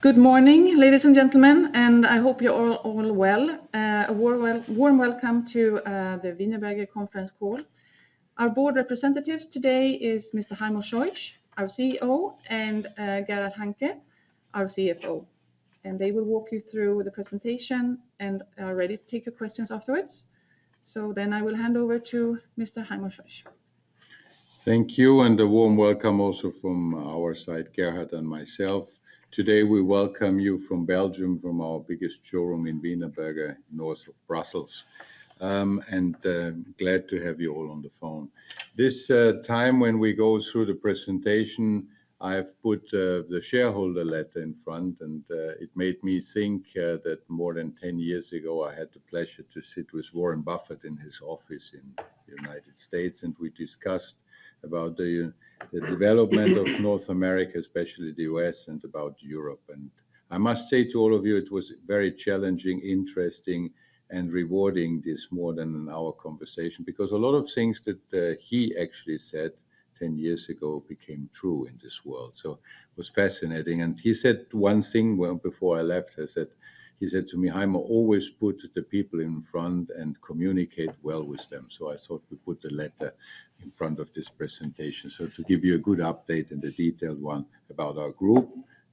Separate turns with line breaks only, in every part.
Good morning, ladies and gentlemen, and I hope you're all well. A warm welcome to the Wienerberger Conference Call. Our board representative today is Mr. Heimo Scheuch, our CEO, and Gerhard Hanke, our CFO, and they will walk you through the presentation and are ready to take your questions afterwards, so then I will hand over to Mr. Heimo Scheuch.
Thank you, and a warm welcome also from our side, Gerhard and myself. Today we welcome you from Belgium, from our biggest showroom in Wienerberger, north of Brussels, and glad to have you all on the phone. This time, when we go through the presentation, I've put the shareholder letter in front, and it made me think that more than 10 years ago I had the pleasure to sit with Warren Buffett in his office in the United States, and we discussed about the development of North America, especially the U.S., and about Europe, and I must say to all of you, it was very challenging, interesting, and rewarding, this more than an hour conversation, because a lot of things that he actually said 10 years ago became true in this world, so it was fascinating. And he said one thing before I left. He said to me, "Heimo always put the people in front and communicate well with them." So I thought we put the letter in front of this presentation to give you a good update and a detailed one about our group,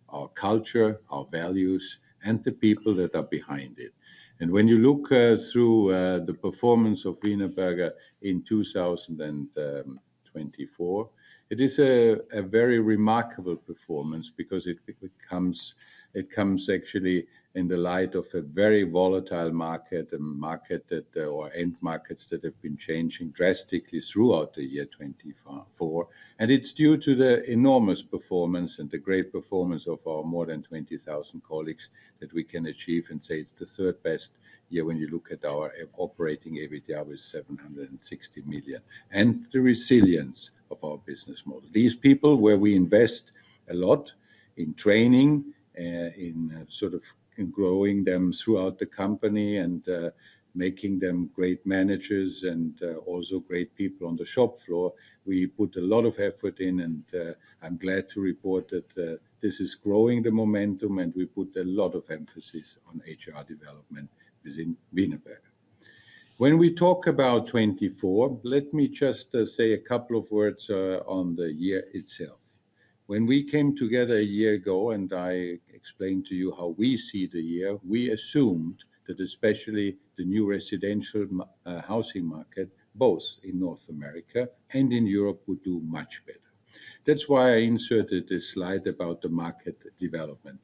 our culture, our values, and the people that are behind it. And when you look through the performance of Wienerberger in 2024, it is a very remarkable performance because it comes actually in the light of a very volatile market, a market that, or end markets that have been changing drastically throughout the year 2024. And it's due to the enormous performance and the great performance of our more than 20,000 colleagues that we can achieve and say it's the third best year when you look at our operating EBITDA with 760 million and the resilience of our business model. These people, where we invest a lot in training, in sort of growing them throughout the company and making them great managers and also great people on the shop floor, we put a lot of effort in, and I'm glad to report that this is growing the momentum, and we put a lot of emphasis on HR development within Wienerberger. When we talk about 2024, let me just say a couple of words on the year itself. When we came together a year ago, and I explained to you how we see the year, we assumed that especially the new residential housing market, both in North America and in Europe, would do much better. That's why I inserted this slide about the market development.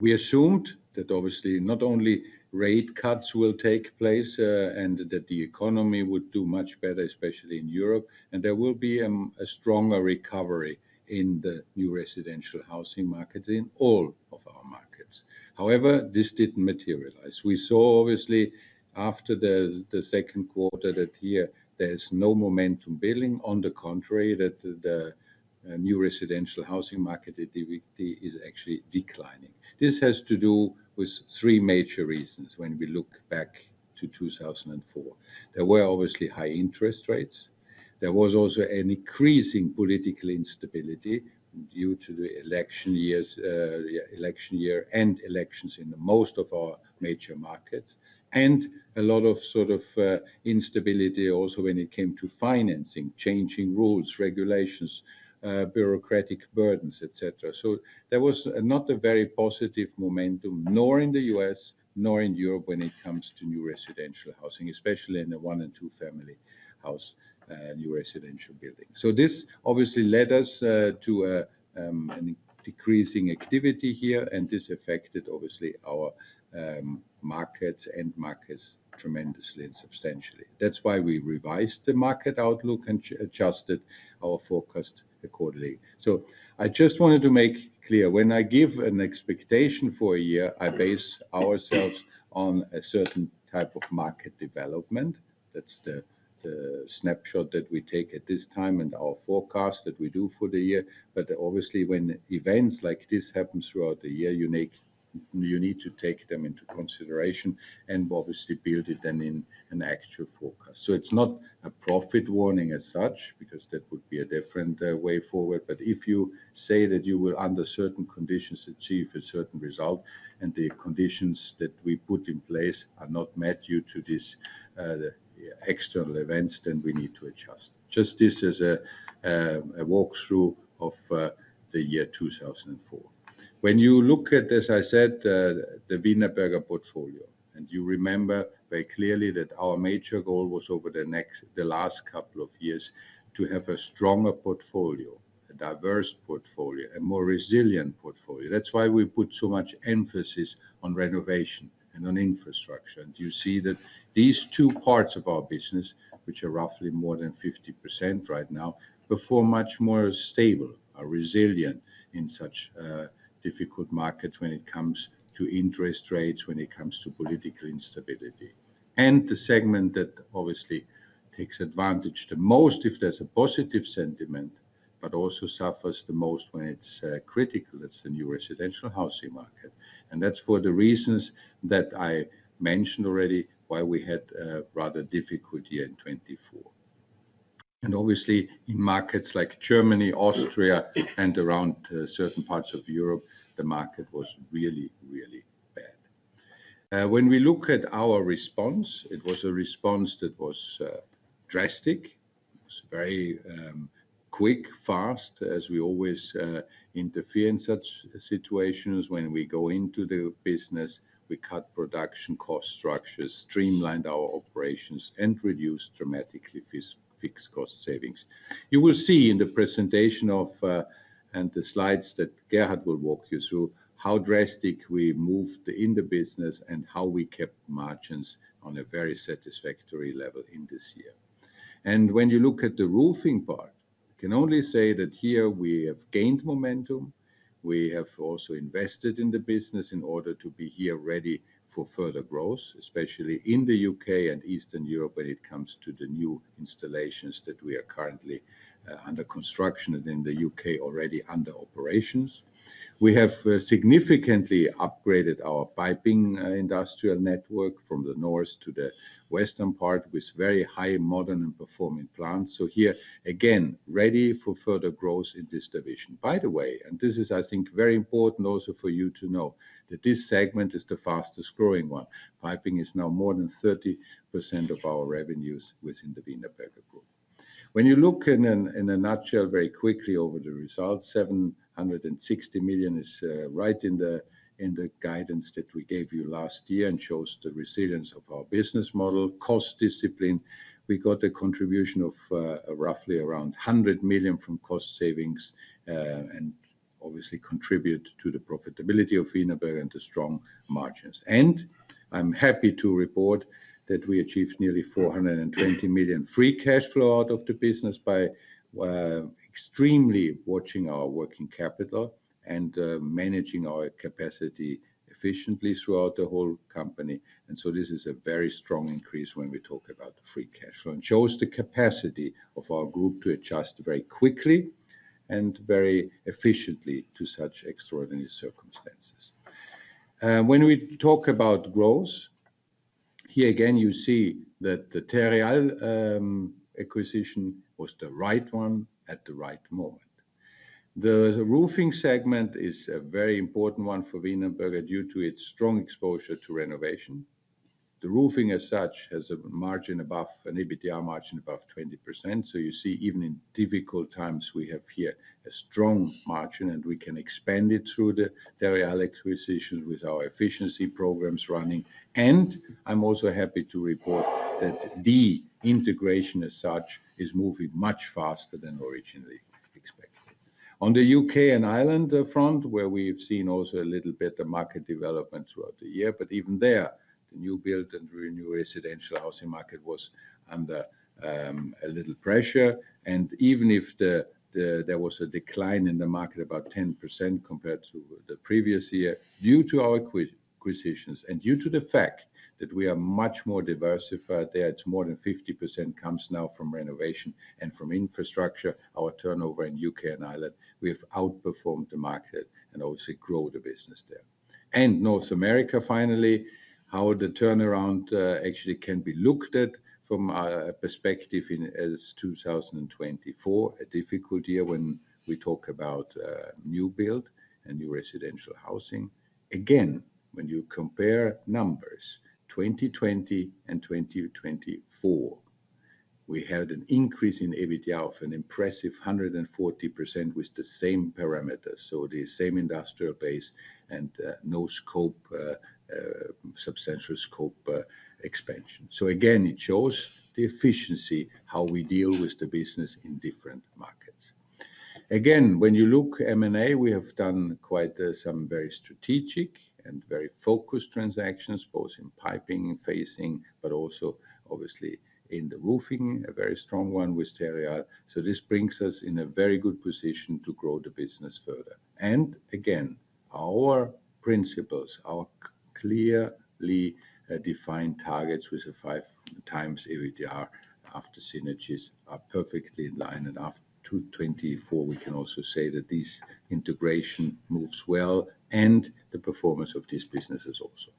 We assumed that obviously not only rate cuts will take place and that the economy would do much better, especially in Europe, and there will be a stronger recovery in the new residential housing market in all of our markets. However, this didn't materialize. We saw obviously after the second quarter that here there is no momentum building. On the contrary, that the new residential housing market is actually declining. This has to do with three major reasons when we look back to 2004. There were obviously high interest rates. There was also an increasing political instability due to the election year and elections in most of our major markets, and a lot of sort of instability also when it came to financing, changing rules, regulations, bureaucratic burdens, et cetera. So there was not a very positive momentum, nor in the U.S., nor in Europe when it comes to new residential housing, especially in the one and two family house new residential building. So this obviously led us to a decreasing activity here, and this affected obviously our markets tremendously and substantially. That's why we revised the market outlook and adjusted our forecast accordingly. So I just wanted to make clear, when I give an expectation for a year, we base ourselves on a certain type of market development. That's the snapshot that we take at this time and our forecast that we do for the year. But obviously when events like this happen throughout the year, you need to take them into consideration and obviously build it then in an actual forecast. So it's not a profit warning as such, because that would be a different way forward. But if you say that you will under certain conditions achieve a certain result and the conditions that we put in place are not met due to these external events, then we need to adjust. Just this, as a walkthrough of the year 2004. When you look at, as I said, the Wienerberger portfolio, and you remember very clearly that our major goal was over the last couple of years to have a stronger portfolio, a diverse portfolio, a more resilient portfolio. That's why we put so much emphasis on renovation and on infrastructure. And you see that these two parts of our business, which are roughly more than 50% right now, perform much more stable, are resilient in such difficult markets when it comes to interest rates, when it comes to political instability. The segment that obviously takes advantage the most if there's a positive sentiment, but also suffers the most when it's critical, it's the new residential housing market. That's for the reasons that I mentioned already, why we had a rather difficult year in 2024. Obviously in markets like Germany, Austria, and around certain parts of Europe, the market was really, really bad. When we look at our response, it was a response that was drastic, very quick, fast, as we always intervene in such situations. When we go into the business, we cut production cost structures, streamlined our operations, and reduced dramatically fixed cost savings. You will see in the presentation and the slides that Gerhard will walk you through how drastic we moved in the business and how we kept margins on a very satisfactory level in this year. When you look at the roofing part, I can only say that here we have gained momentum. We have also invested in the business in order to be here ready for further growth, especially in the U.K. and Eastern Europe when it comes to the new installations that we are currently under construction and in the U.K. already under operations. We have significantly upgraded our piping industrial network from the north to the western part with very high modern and performing plants. So here again, ready for further growth in this division. By the way, and this is, I think, very important also for you to know that this segment is the fastest growing one. Piping is now more than 30% of our revenues within the Wienerberger Group. When you look in a nutshell very quickly over the results, 760 million is right in the guidance that we gave you last year and shows the resilience of our business model, cost discipline. We got a contribution of roughly around 100 million from cost savings and obviously contribute to the profitability of Wienerberger and the strong margins. And I'm happy to report that we achieved nearly 420 million free cash flow out of the business by extremely watching our working capital and managing our capacity efficiently throughout the whole company. And so this is a very strong increase when we talk about free cash flow and shows the capacity of our group to adjust very quickly and very efficiently to such extraordinary circumstances. When we talk about growth, here again you see that the Terreal acquisition was the right one at the right moment. The roofing segment is a very important one for Wienerberger due to its strong exposure to renovation. The roofing as such has a margin above, an EBITDA margin above 20%. So you see even in difficult times we have here a strong margin and we can expand it through the Terreal acquisition with our efficiency programs running. And I'm also happy to report that the integration as such is moving much faster than originally expected. On the U.K. and Ireland front, where we've seen also a little bit of market development throughout the year, but even there, the new build and renew residential housing market was under a little pressure. And even if there was a decline in the market about 10% compared to the previous year, due to our acquisitions and due to the fact that we are much more diversified there, it's more than 50% comes now from renovation and from infrastructure. Our turnover in U.K. and Ireland, we have outperformed the market and obviously grown the business there. And North America finally, how the turnaround actually can be looked at from our perspective as 2024, a difficult year when we talk about new build and new residential housing. Again, when you compare numbers, 2020 and 2024, we had an increase in EBITDA of an impressive 140% with the same parameters. So the same industrial base and no scope, substantial scope expansion. So again, it shows the efficiency, how we deal with the business in different markets. Again, when you look, M&A, we have done quite some very strategic and very focused transactions, both in piping and facing, but also obviously in the roofing, a very strong one with Terreal. So this brings us in a very good position to grow the business further. And again, our principles, our clearly defined targets with a five times EBITDA after synergies are perfectly in line. And after 2024, we can also say that this integration moves well and the performance of these businesses also.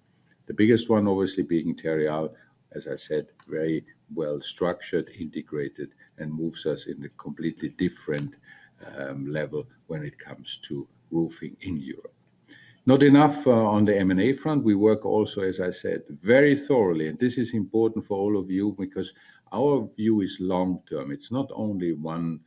The biggest one obviously being Terreal, as I said, very well structured, integrated, and moves us in a completely different level when it comes to roofing in Europe. Not enough on the M&A front. We work also, as I said, very thoroughly. And this is important for all of you because our view is long term. It's not only one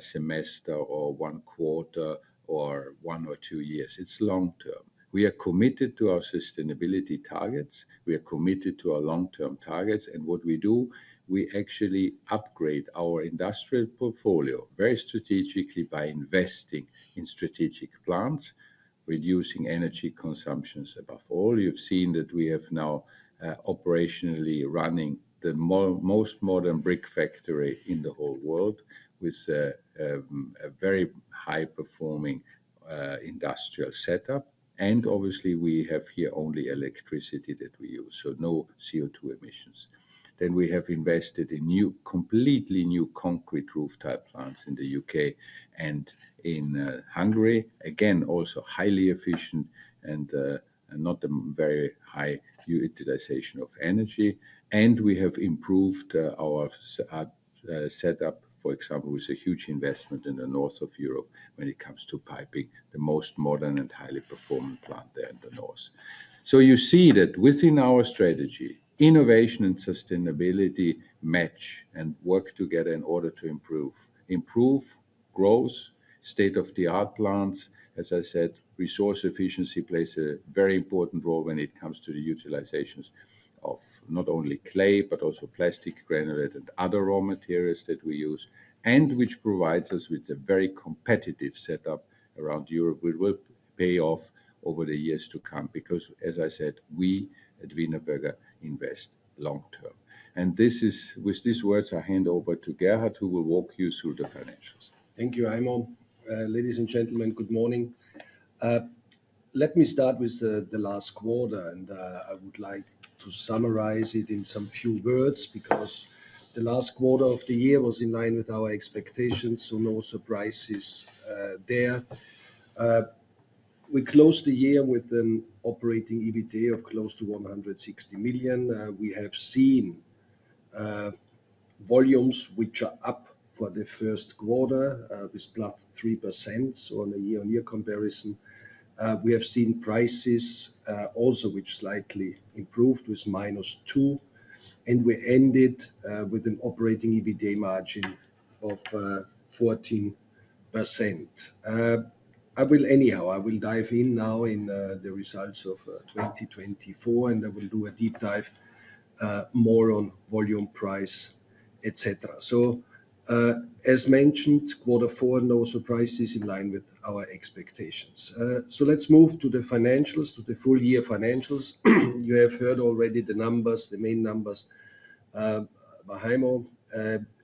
semester or one quarter or one or two years. It's long term. We are committed to our sustainability targets. We are committed to our long term targets. And what we do, we actually upgrade our industrial portfolio very strategically by investing in strategic plants, reducing energy consumptions above all. You've seen that we have now operationally running the most modern brick factory in the whole world with a very high performing industrial setup. And obviously we have here only electricity that we use, so no CO2 emissions. Then we have invested in new, completely new concrete roof tile plants in the U.K. and in Hungary. Again, also highly efficient and not a very high utilization of energy. We have improved our setup, for example, with a huge investment in the north of Europe when it comes to piping, the most modern and highly performing plant there in the north. So you see that within our strategy, innovation and sustainability match and work together in order to improve, improve growth, state of the art plants. As I said, resource efficiency plays a very important role when it comes to the utilizations of not only clay, but also plastic, granulate, and other raw materials that we use, and which provides us with a very competitive setup around Europe which will pay off over the years to come because, as I said, we at Wienerberger invest long term. And this is with these words, I hand over to Gerhard, who will walk you through the financials.
Thank you, Heimo. Ladies and gentlemen, good morning. Let me start with the last quarter, and I would like to summarize it in some few words because the last quarter of the year was in line with our expectations, so no surprises there. We closed the year with an operating EBITDA of close to 160 million. We have seen volumes which are up for the first quarter with plus 3% on a year-on-year comparison. We have seen prices also which slightly improved with minus 2%, and we ended with an operating EBITDA margin of 14%. Anyhow, I will dive in now in the results of 2024, and I will do a deep dive more on volume, price, et cetera. So as mentioned, quarter four, no surprises in line with our expectations. So let's move to the financials, to the full year financials. You have heard already the numbers, the main numbers. Heimo,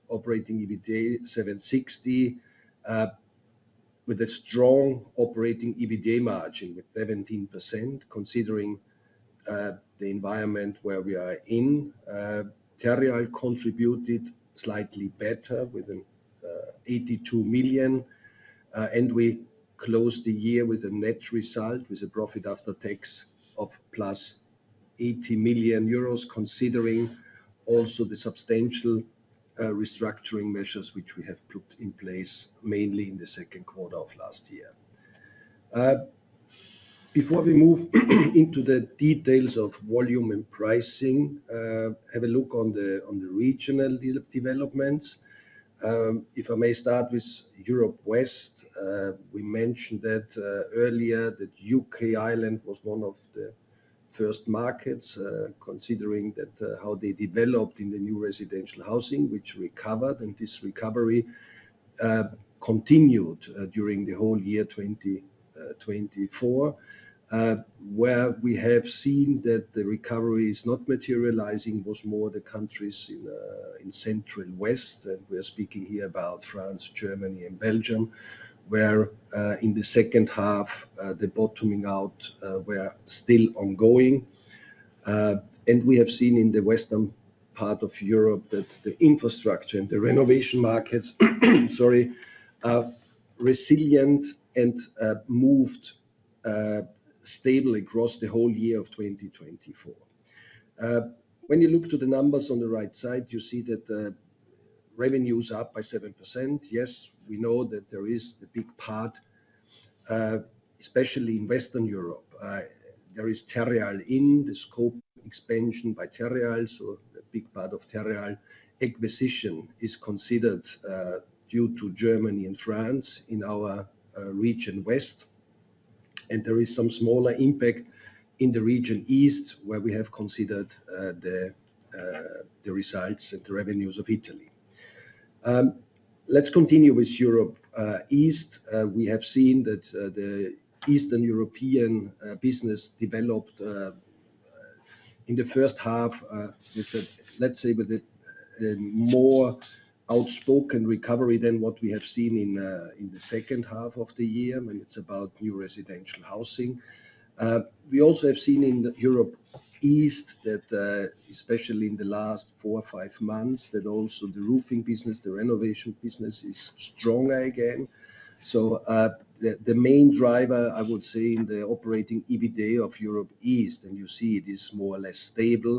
operating EBITDA 760 million with a strong operating EBITDA margin of 17%, considering the environment where we are in. Terreal contributed slightly better with 82 million, and we closed the year with a net result with a profit after tax of plus 80 million euros, considering also the substantial restructuring measures which we have put in place mainly in the second quarter of last year. Before we move into the details of volume and pricing, have a look on the regional developments. If I may start with Europe West, we mentioned that earlier that U.K. Ireland was one of the first markets, considering how they developed in the new residential housing, which recovered, and this recovery continued during the whole year 2024, where we have seen that the recovery is not materializing, was more the countries in Central West. We are speaking here about France, Germany, and Belgium, where in the second half, the bottoming out were still ongoing. We have seen in the western part of Europe that the infrastructure and the renovation markets, sorry, are resilient and remain stable across the whole year of 2024. When you look at the numbers on the right side, you see that revenues are up by 7%. Yes, we know that there is a big part, especially in Western Europe. There is Terreal in the scope expansion by Terreal, so a big part of Terreal acquisition is considered due to Germany and France in our Region West. There is some smaller impact in the Region East, where we have considered the results and the revenues of Italy. Let's continue with Europe East. We have seen that the Eastern European business developed in the first half, let's say with a more outspoken recovery than what we have seen in the second half of the year when it's about new residential housing. We also have seen in Europe East that, especially in the last four or five months, that also the roofing business, the renovation business is stronger again. So the main driver, I would say, in the operating EBITDA of Europe East, and you see it is more or less stable,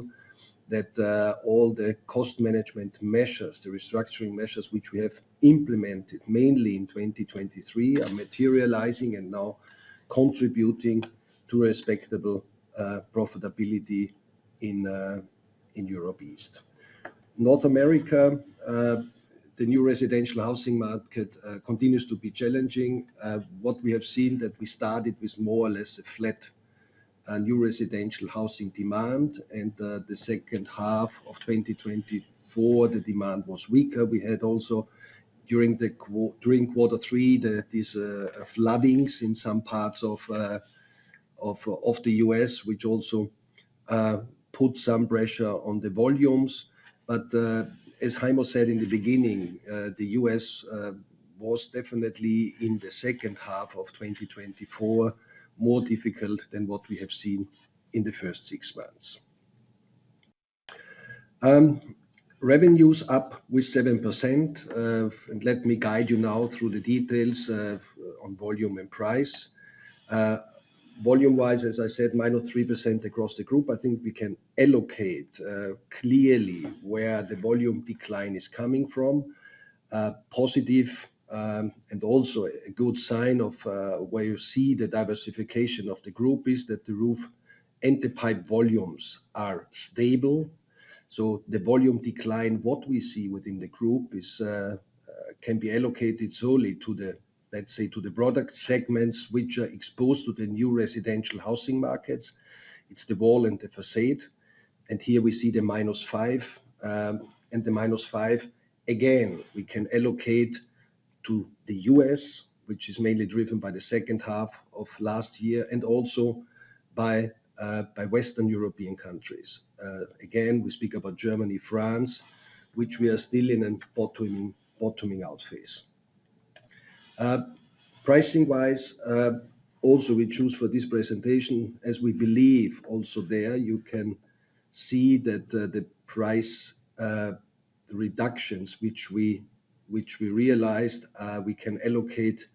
that all the cost management measures, the restructuring measures which we have implemented mainly in 2023 are materializing and now contributing to respectable profitability in Europe East. North America, the new residential housing market continues to be challenging. What we have seen that we started with more or less a flat new residential housing demand, and the second half of 2024, the demand was weaker. We had also during quarter three, there are these floodings in some parts of the U.S., which also put some pressure on the volumes, but as Heimo said in the beginning, the U.S. was definitely in the second half of 2024 more difficult than what we have seen in the first six months. Revenues up with 7%, and let me guide you now through the details on volume and price. Volume-wise, as I said, minus 3% across the group. I think we can allocate clearly where the volume decline is coming from. Positive and also a good sign of where you see the diversification of the group is that the roof and the pipe volumes are stable. The volume decline, what we see within the group, can be allocated solely to the, let's say, to the product segments which are exposed to the new residential housing markets. It's the wall and the facade. Here we see the -5%. The -5%, again, we can allocate to the U.S., which is mainly driven by the second half of last year and also by Western European countries. Again, we speak about Germany, France, which we are still in a bottoming out phase. Pricing-wise, also we choose for this presentation, as we believe also there, you can see that the price reductions which we realized, we can allocate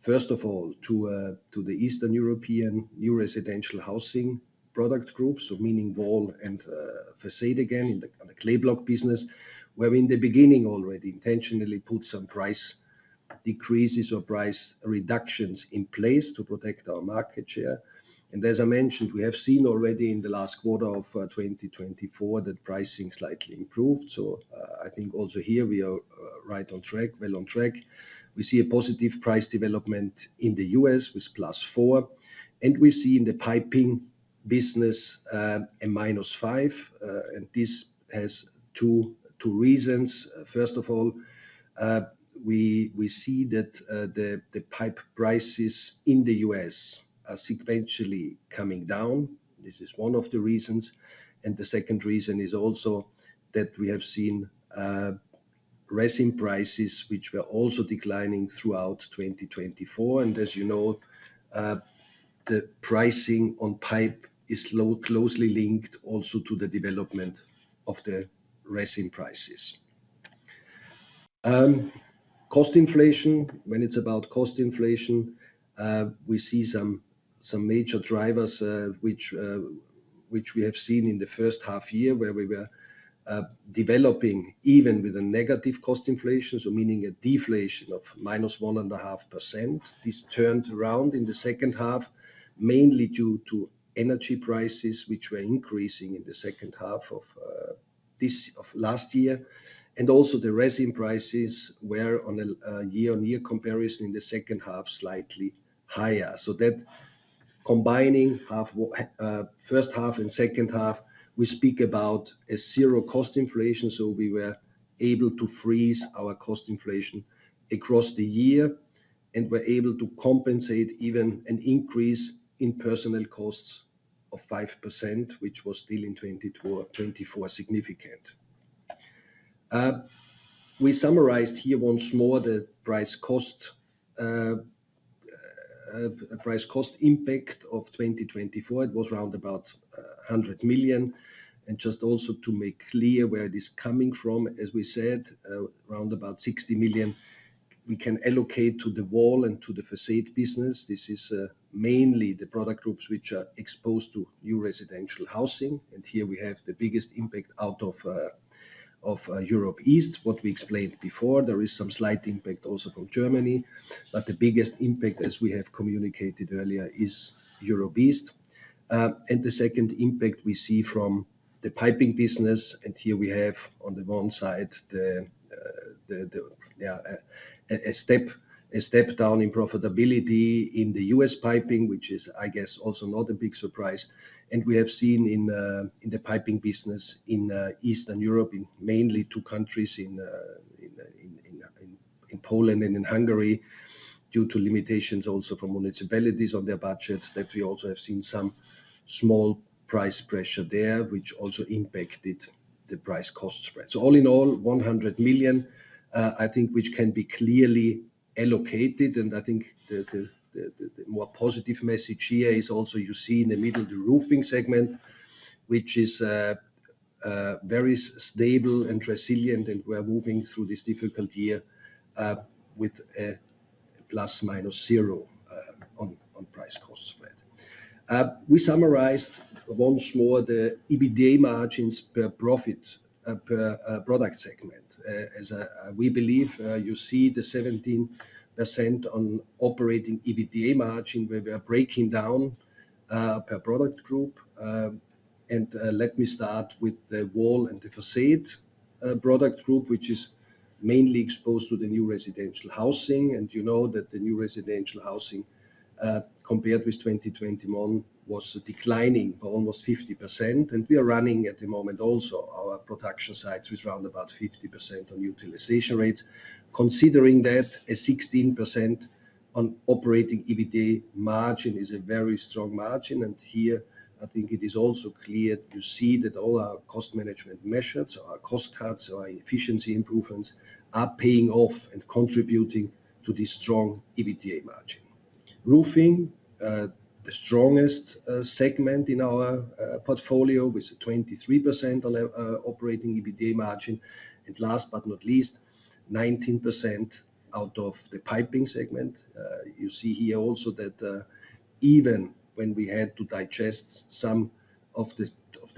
first of all to the Eastern European new residential housing product groups, meaning wall and facade again in the clay block business, where we in the beginning already intentionally put some price decreases or price reductions in place to protect our market share. And as I mentioned, we have seen already in the last quarter of 2024 that pricing slightly improved. So I think also here we are right on track, well on track. We see a positive price development in the U.S. with plus 4. And we see in the piping business a minus 5. And this has two reasons. First of all, we see that the pipe prices in the U.S. are sequentially coming down. This is one of the reasons. And the second reason is also that we have seen resin prices, which were also declining throughout 2024. And as you know, the pricing on pipe is closely linked also to the development of the resin prices. Cost inflation, when it's about cost inflation, we see some major drivers which we have seen in the first half year where we were developing even with a negative cost inflation, so meaning a deflation of minus 1.5%. This turned around in the second half, mainly due to energy prices, which were increasing in the second half of last year. And also the resin prices were on a year-on-year comparison in the second half slightly higher. So that combining first half and second half, we speak about a zero cost inflation. We were able to freeze our cost inflation across the year and were able to compensate even an increase in personal costs of 5%, which was still in 2024 significant. We summarized here once more the price cost impact of 2024. It was around about 100 million. And just also to make clear where it is coming from, as we said, around about 60 million we can allocate to the wall and to the facade business. This is mainly the product groups which are exposed to new residential housing. And here we have the biggest impact out of Europe East, what we explained before. There is some slight impact also from Germany, but the biggest impact, as we have communicated earlier, is Europe East. And the second impact we see from the piping business. And here we have on the one side a step down in profitability in the U.S. piping, which is, I guess, also not a big surprise. And we have seen in the piping business in Eastern Europe, mainly two countries in Poland and in Hungary, due to limitations also from municipalities on their budgets, that we also have seen some small price pressure there, which also impacted the price cost spread. So all in all, 100 million, I think, which can be clearly allocated. And I think the more positive message here is also you see in the middle the roofing segment, which is very stable and resilient, and we are moving through this difficult year with a plus minus zero on price cost spread. We summarized once more the EBITDA margins per product segment. As we believe, you see the 17% on operating EBITDA margin where we are breaking down per product group. And let me start with the wall and the facade product group, which is mainly exposed to the new residential housing. And you know that the new residential housing compared with 2021 was declining by almost 50%. And we are running at the moment also our production sites with around about 50% on utilization rates. Considering that, a 16% on operating EBITDA margin is a very strong margin. And here, I think it is also clear to see that all our cost management measures, our cost cuts, our efficiency improvements are paying off and contributing to this strong EBITDA margin. Roofing, the strongest segment in our portfolio with a 23% operating EBITDA margin. And last but not least, 19% out of the piping segment. You see here also that even when we had to digest some of the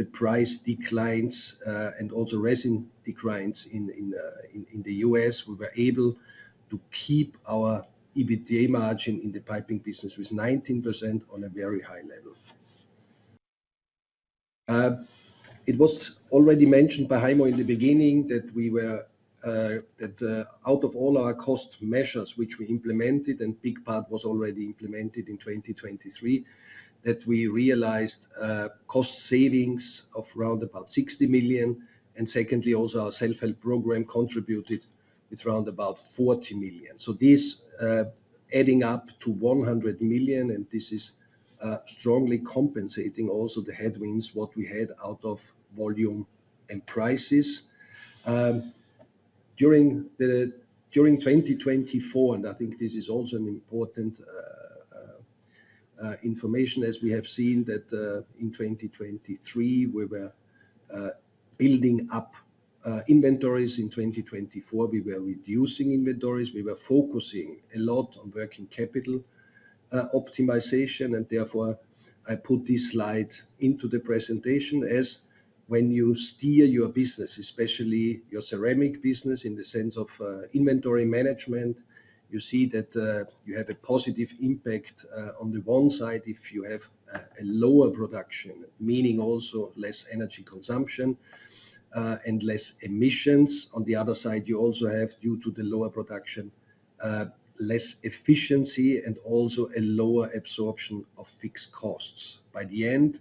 price declines and also resin declines in the U.S., we were able to keep our EBITDA margin in the piping business with 19% on a very high level. It was already mentioned by Heimo in the beginning that out of all our cost measures, which we implemented, and a big part was already implemented in 2023, that we realized cost savings of around about 60 million. And secondly, also our self-help program contributed with around about 40 million, so this adding up to 100 million, and this is strongly compensating also the headwinds what we had out of volume and prices. During 2024, and I think this is also an important information, as we have seen that in 2023, we were building up inventories. In 2024, we were reducing inventories. We were focusing a lot on working capital optimization. And therefore, I put this slide into the presentation as when you steer your business, especially your ceramic business in the sense of inventory management, you see that you have a positive impact on the one side if you have a lower production, meaning also less energy consumption and less emissions. On the other side, you also have, due to the lower production, less efficiency and also a lower absorption of fixed costs by the end,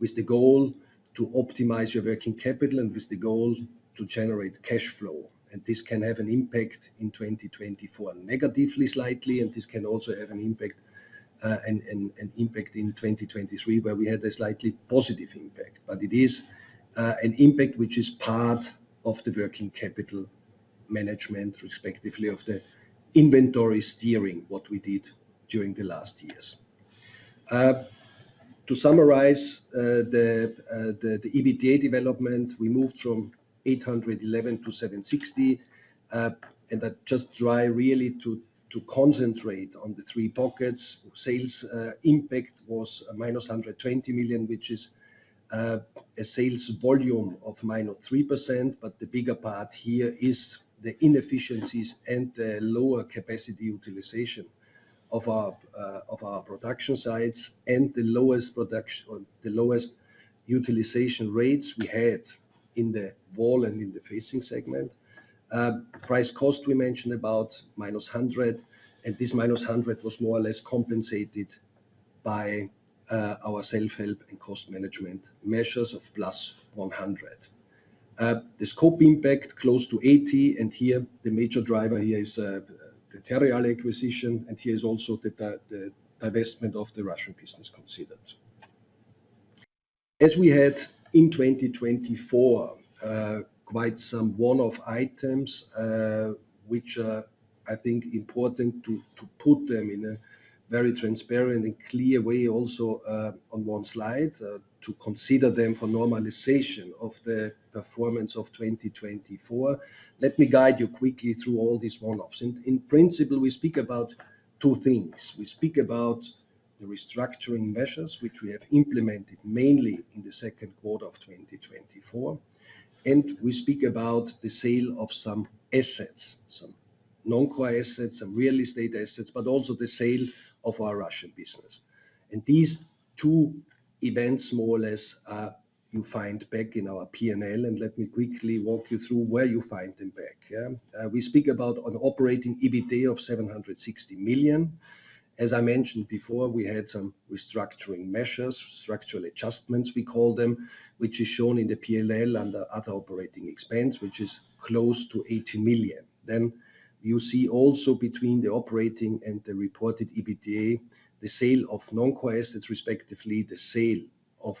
with the goal to optimize your working capital and with the goal to generate cash flow. And this can have an impact in 2024 negatively slightly, and this can also have an impact in 2023, where we had a slightly positive impact. But it is an impact which is part of the working capital management, respectively, of the inventory steering what we did during the last years. To summarize the EBITDA development, we moved from 811 million to 760 million. And I just try really to concentrate on the three pockets. Sales impact was minus 120 million, which is a sales volume of minus 3%. But the bigger part here is the inefficiencies and the lower capacity utilization of our production sites and the lowest utilization rates we had in the wall and in the facing segment. Price cost, we mentioned about minus 100 million. And this minus 100 million was more or less compensated by our self-help and cost management measures of plus 100 million. The scope impact close to 80 million. And here, the major driver here is the Terreal acquisition. And here is also the divestment of the Russian business considered. As we had in 2024, quite some one-off items, which I think are important to put them in a very transparent and clear way also on one slide to consider them for normalization of the performance of 2024. Let me guide you quickly through all these one-offs. In principle, we speak about two things. We speak about the restructuring measures, which we have implemented mainly in the second quarter of 2024. And we speak about the sale of some assets, some non-core assets, some real estate assets, but also the sale of our Russian business. And these two events more or less you find back in our P&L. And let me quickly walk you through where you find them back. We speak about an operating EBITDA of 760 million. As I mentioned before, we had some restructuring measures, structural adjustments, we call them, which is shown in the P&L under other operating expense, which is close to 80 million. Then you see also between the operating and the reported EBITDA, the sale of non-core assets, respectively, the sale of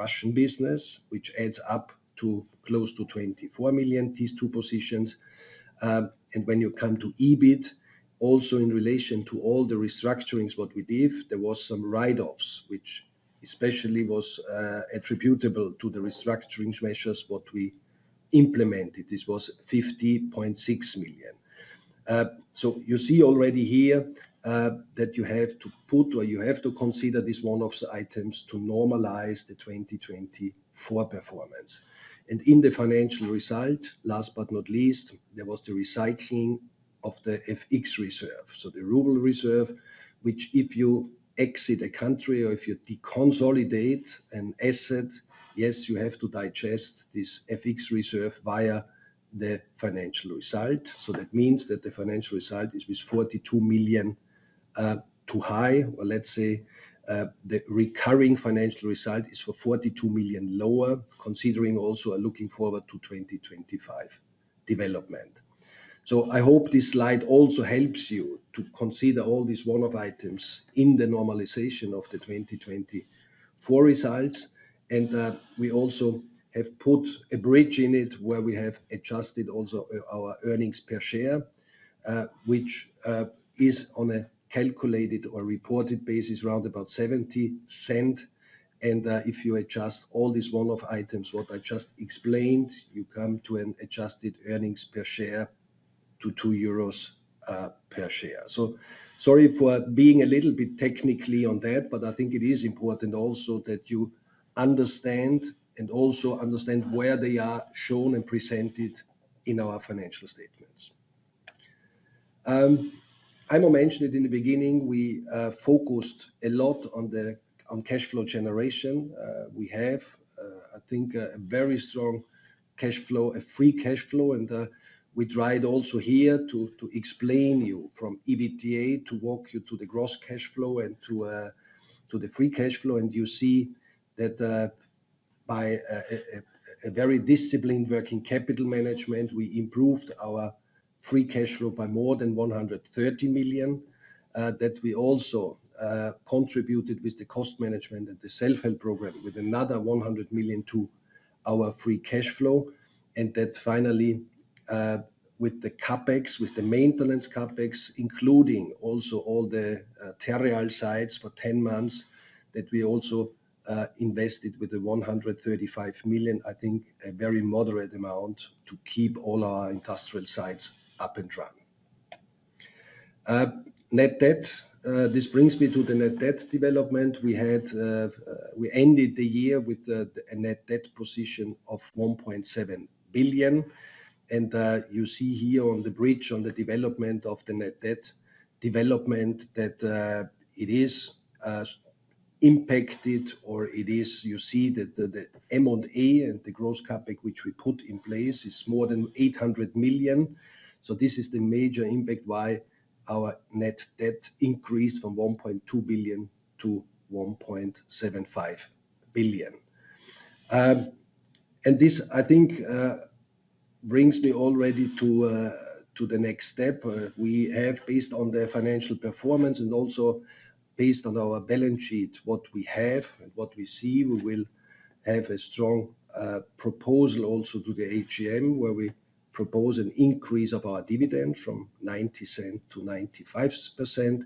Russian business, which adds up to close to 24 million, these two positions. And when you come to EBIT, also in relation to all the restructurings what we did, there were some write-offs, which especially was attributable to the restructuring measures what we implemented. This was 50.6 million. So you see already here that you have to put or you have to consider these one-off items to normalize the 2024 performance. And in the financial result, last but not least, there was the recycling of the FX reserve. The ruble reserve, which if you exit a country or if you deconsolidate an asset, yes, you have to digest this FX reserve via the financial result. That means that the financial result is with 42 million too high, or let's say the recurring financial result is for 42 million lower, considering also looking forward to 2025 development. I hope this slide also helps you to consider all these one-off items in the normalization of the 2024 results. We also have put a bridge in it where we have adjusted also our earnings per share, which is on a calculated or reported basis, around about 0.70. If you adjust all these one-off items, what I just explained, you come to an adjusted earnings per share to 2 euros per share. So sorry for being a little bit technical on that, but I think it is important also that you understand and also understand where they are shown and presented in our financial statements. I mentioned it in the beginning, we focused a lot on cash flow generation. We have, I think, a very strong cash flow, a free cash flow. And we tried also here to explain you from EBITDA to walk you to the gross cash flow and to the free cash flow. And you see that by a very disciplined working capital management, we improved our free cash flow by more than 130 million, that we also contributed with the cost management and the self-help program with another 100 million to our free cash flow. That finally, with the CapEx, with the maintenance CapEx, including also all the Terreal sites for 10 months, that we also invested with the 135 million, I think, a very moderate amount to keep all our industrial sites up and running. Net debt, this brings me to the net debt development. We ended the year with a net debt position of 1.7 billion. And you see here on the bridge on the development of the net debt development that it is impacted, or you see that the M&A and the gross CapEx, which we put in place, is more than 800 million. So this, I think, brings me already to the next step. We have, based on the financial performance and also based on our balance sheet, what we have and what we see, we will have a strong proposal also to the AGM, where we propose an increase of our dividend from 0.90 to 0.95.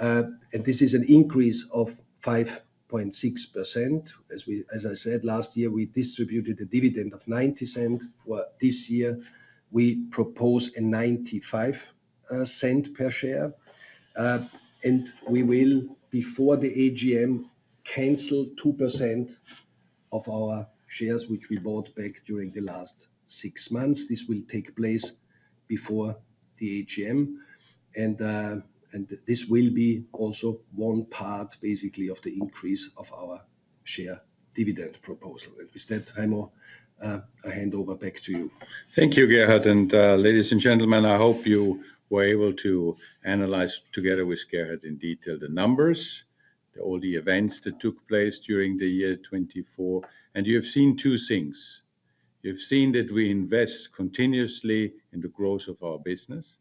And this is an increase of 5.6%. As I said, last year, we distributed a dividend of 0.90. For this year, we propose a 0.95 per share. And we will, before the AGM, cancel 2% of our shares which we bought back during the last six months. This will take place before the AGM. And this will be also one part, basically, of the increase of our share dividend proposal. With that, Heimo, I hand over back to you.
Thank you, Gerhard. Ladies and gentlemen, I hope you were able to analyze together with Gerhard in detail the numbers, all the events that took place during the year 2024. You have seen two things. You've seen that we invest continuously in the growth of our business.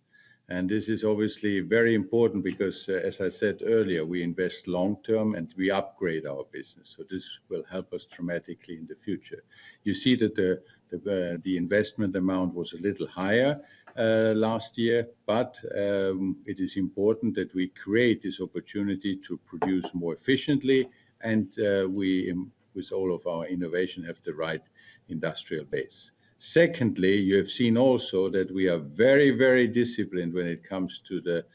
This is obviously very important because, as I said earlier, we invest long-term and we upgrade our business. So this will help us dramatically in the future. You see that the investment amount was a little higher last year, but it is important that we create this opportunity to produce more efficiently and, with all of our innovation, have the right industrial base. Secondly, you have seen also that we are very, very disciplined when it comes to the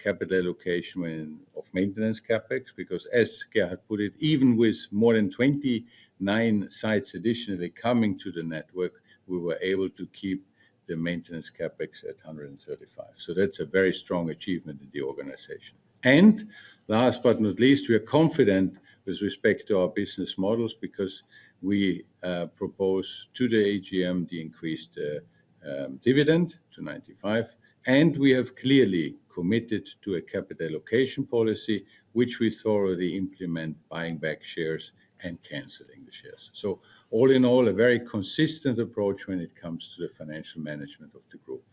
capital allocation of maintenance CapEx because, as Gerhard put it, even with more than 29 sites additionally coming to the network, we were able to keep the maintenance CapEx at 135 million. So that's a very strong achievement in the organization. And last but not least, we are confident with respect to our business models because we propose to the AGM the increased dividend to 0.95. And we have clearly committed to a capital allocation policy, which we thoroughly implement, buying back shares and canceling the shares. So all in all, a very consistent approach when it comes to the financial management of the group.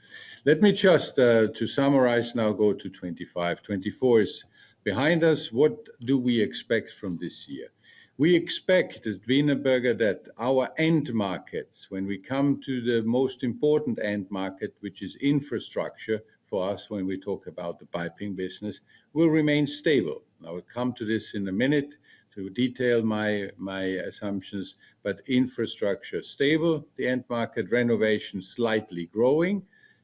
Let me just, to summarize now, go to 25. 24 is behind us. What do we expect from this year? We expect, as Wienerberger, that our end markets, when we come to the most important end market, which is infrastructure for us when we talk about the piping business, will remain stable. I will come to this in a minute to detail my assumptions, but infrastructure stable, the end market renovation slightly growing,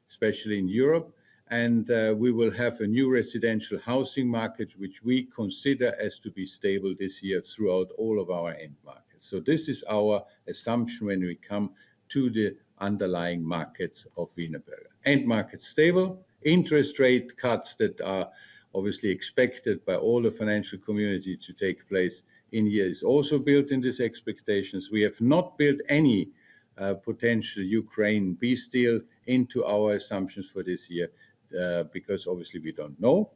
especially in Europe, and we will have a new residential housing market, which we consider as to be stable this year throughout all of our end markets, so this is our assumption when we come to the underlying markets of Wienerberger. End markets stable, interest rate cuts that are obviously expected by all the financial community to take place in year is also built in these expectations. We have not built any potential Ukraine peace deal into our assumptions for this year because, obviously, we don't know.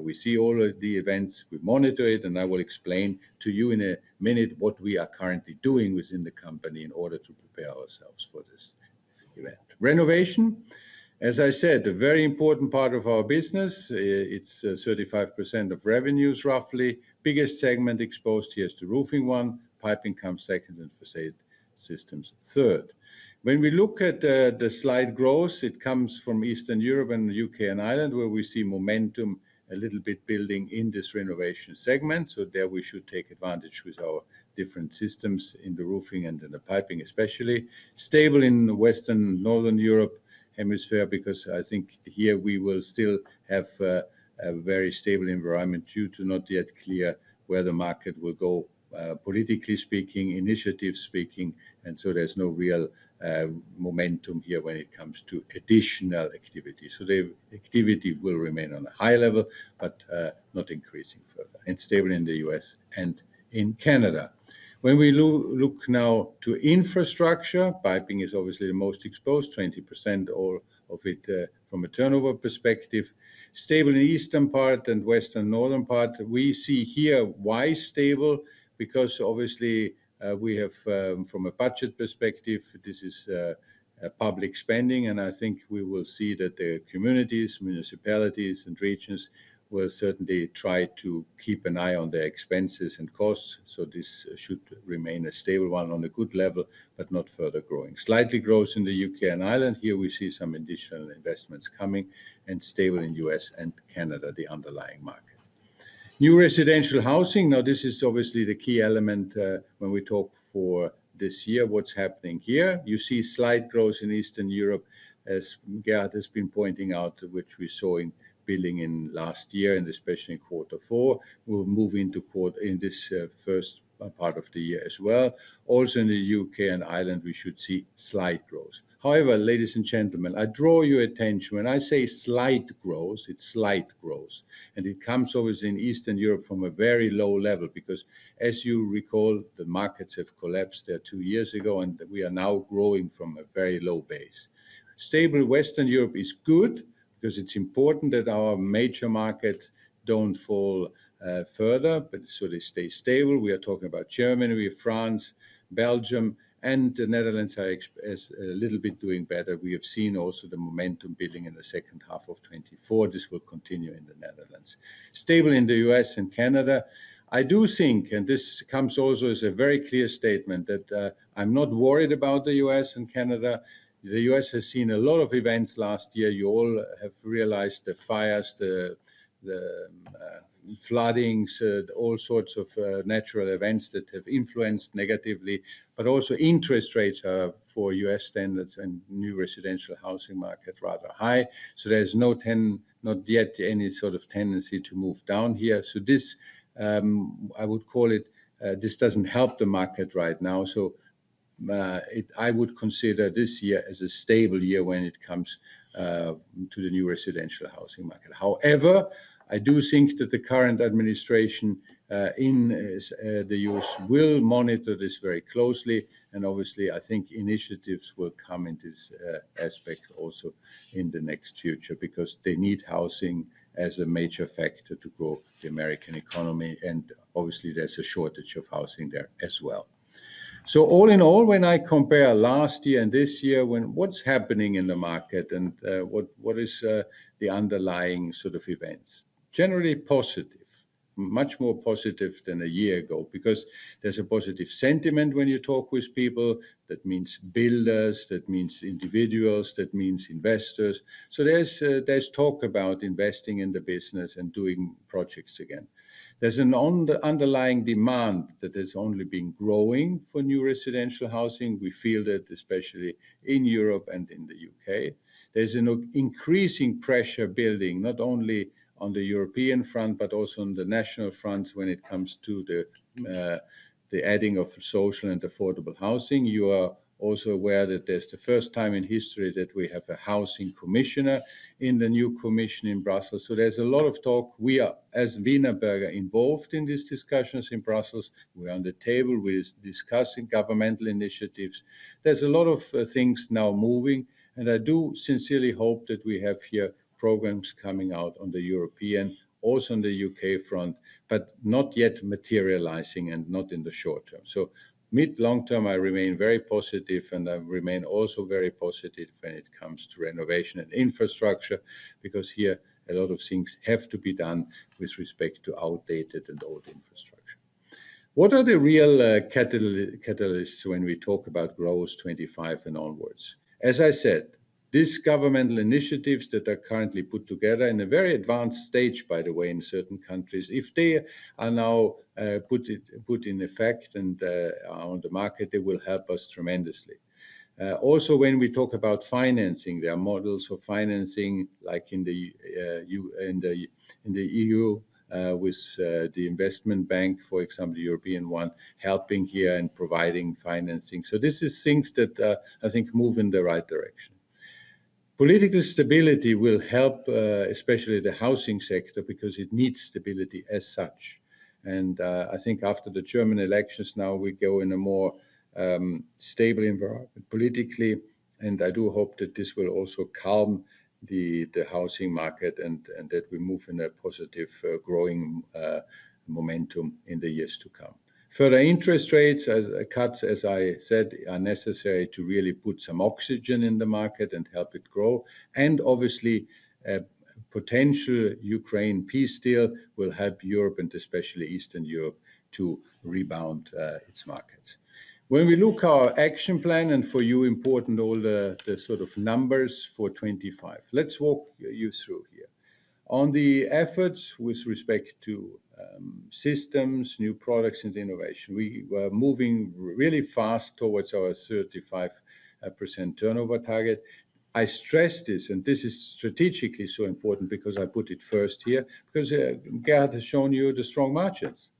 We see all of the events. We monitor it. I will explain to you in a minute what we are currently doing within the company in order to prepare ourselves for this event. Renovation, as I said, a very important part of our business. It's 35% of revenues, roughly. Biggest segment exposed here is the roofing one. Piping comes second and facade systems third. When we look at the slide growth, it comes from Eastern Europe and the U.K. and Ireland, where we see momentum a little bit building in this renovation segment. So there we should take advantage with our different systems in the roofing and in the piping, especially. Stable in Western Northern Europe hemisphere because I think here we will still have a very stable environment due to not yet clear where the market will go, politically speaking, initiative speaking. And so there's no real momentum here when it comes to additional activity. So the activity will remain on a high level, but not increasing further. And stable in the U.S. and in Canada. When we look now to infrastructure, piping is obviously the most exposed, 20% all of it from a turnover perspective. Stable in Eastern part and Western Northern part. We see here why stable? Because, obviously, we have, from a budget perspective, this is public spending. And I think we will see that the communities, municipalities, and regions will certainly try to keep an eye on their expenses and costs. So this should remain a stable one on a good level, but not further growing. Slightly growth in the U.K. and Ireland. Here we see some additional investments coming and stable in U.S. and Canada, the underlying market. New residential housing. Now, this is obviously the key element when we talk for this year, what's happening here. You see slight growth in Eastern Europe, as Gerhard has been pointing out, which we saw in billing in last year and especially in quarter four. We'll move into quarter in this first part of the year as well. Also in the U.K. and Ireland, we should see slight growth. However, ladies and gentlemen, I draw your attention. When I say slight growth, it's slight growth, and it comes obviously in Eastern Europe from a very low level because, as you recall, the markets have collapsed there two years ago, and we are now growing from a very low base. Stable Western Europe is good because it's important that our major markets don't fall further, but so they stay stable. We are talking about Germany, France, Belgium, and the Netherlands are a little bit doing better. We have seen also the momentum building in the second half of 2024. This will continue in the Netherlands. Stable in the U.S. and Canada. I do think, and this comes also as a very clear statement, that I'm not worried about the U.S. and Canada. The U.S. has seen a lot of events last year. You all have realized the fires, the floodings, all sorts of natural events that have influenced negatively, but also interest rates are for U.S. standards and new residential housing market rather high, so there's not yet any sort of tendency to move down here, so this, I would call it, this doesn't help the market right now, so I would consider this year as a stable year when it comes to the new residential housing market. However, I do think that the current administration in the U.S. will monitor this very closely. Obviously, I think initiatives will come into this aspect also in the next future because they need housing as a major factor to grow the American economy. Obviously, there's a shortage of housing there as well. All in all, when I compare last year and this year, what's happening in the market and what is the underlying sort of events? Generally positive, much more positive than a year ago because there's a positive sentiment when you talk with people. That means builders, that means individuals, that means investors. There's talk about investing in the business and doing projects again. There's an underlying demand that has only been growing for new residential housing. We feel that especially in Europe and in the U.K.. There's an increasing pressure building, not only on the European front, but also on the national front when it comes to the adding of social and affordable housing. You are also aware that there's the first time in history that we have a Housing Commissioner in the new Commission in Brussels. So there's a lot of talk. We are, as Wienerberger, involved in these discussions in Brussels. We're on the table with discussing governmental initiatives. There's a lot of things now moving. And I do sincerely hope that we have here programs coming out on the European, also on the U.K. front, but not yet materializing and not in the short term. So mid-long term, I remain very positive, and I remain also very positive when it comes to renovation and infrastructure because here a lot of things have to be done with respect to outdated and old infrastructure. What are the real catalysts when we talk about growth 25 and onwards? As I said, these governmental initiatives that are currently put together in a very advanced stage, by the way, in certain countries, if they are now put in effect and on the market, it will help us tremendously. Also, when we talk about financing, there are models of financing like in the EU with the investment bank, for example, the European one, helping here and providing financing. So this is things that I think move in the right direction. Political stability will help, especially the housing sector, because it needs stability as such, and I think after the German elections, now we go in a more stable environment politically, and I do hope that this will also calm the housing market and that we move in a positive growing momentum in the years to come. Further interest rate cuts, as I said, are necessary to really put some oxygen in the market and help it grow. Obviously, potential Ukraine peace deal will help Europe and especially Eastern Europe to rebound its markets. When we look at our action plan, and for you, important, all the sort of numbers for 25, let's walk you through here. On the efforts with respect to systems, new products, and innovation, we were moving really fast towards our 35% turnover target. I stress this, and this is strategically so important because I put it first here because Gerhard has shown you the strong margins.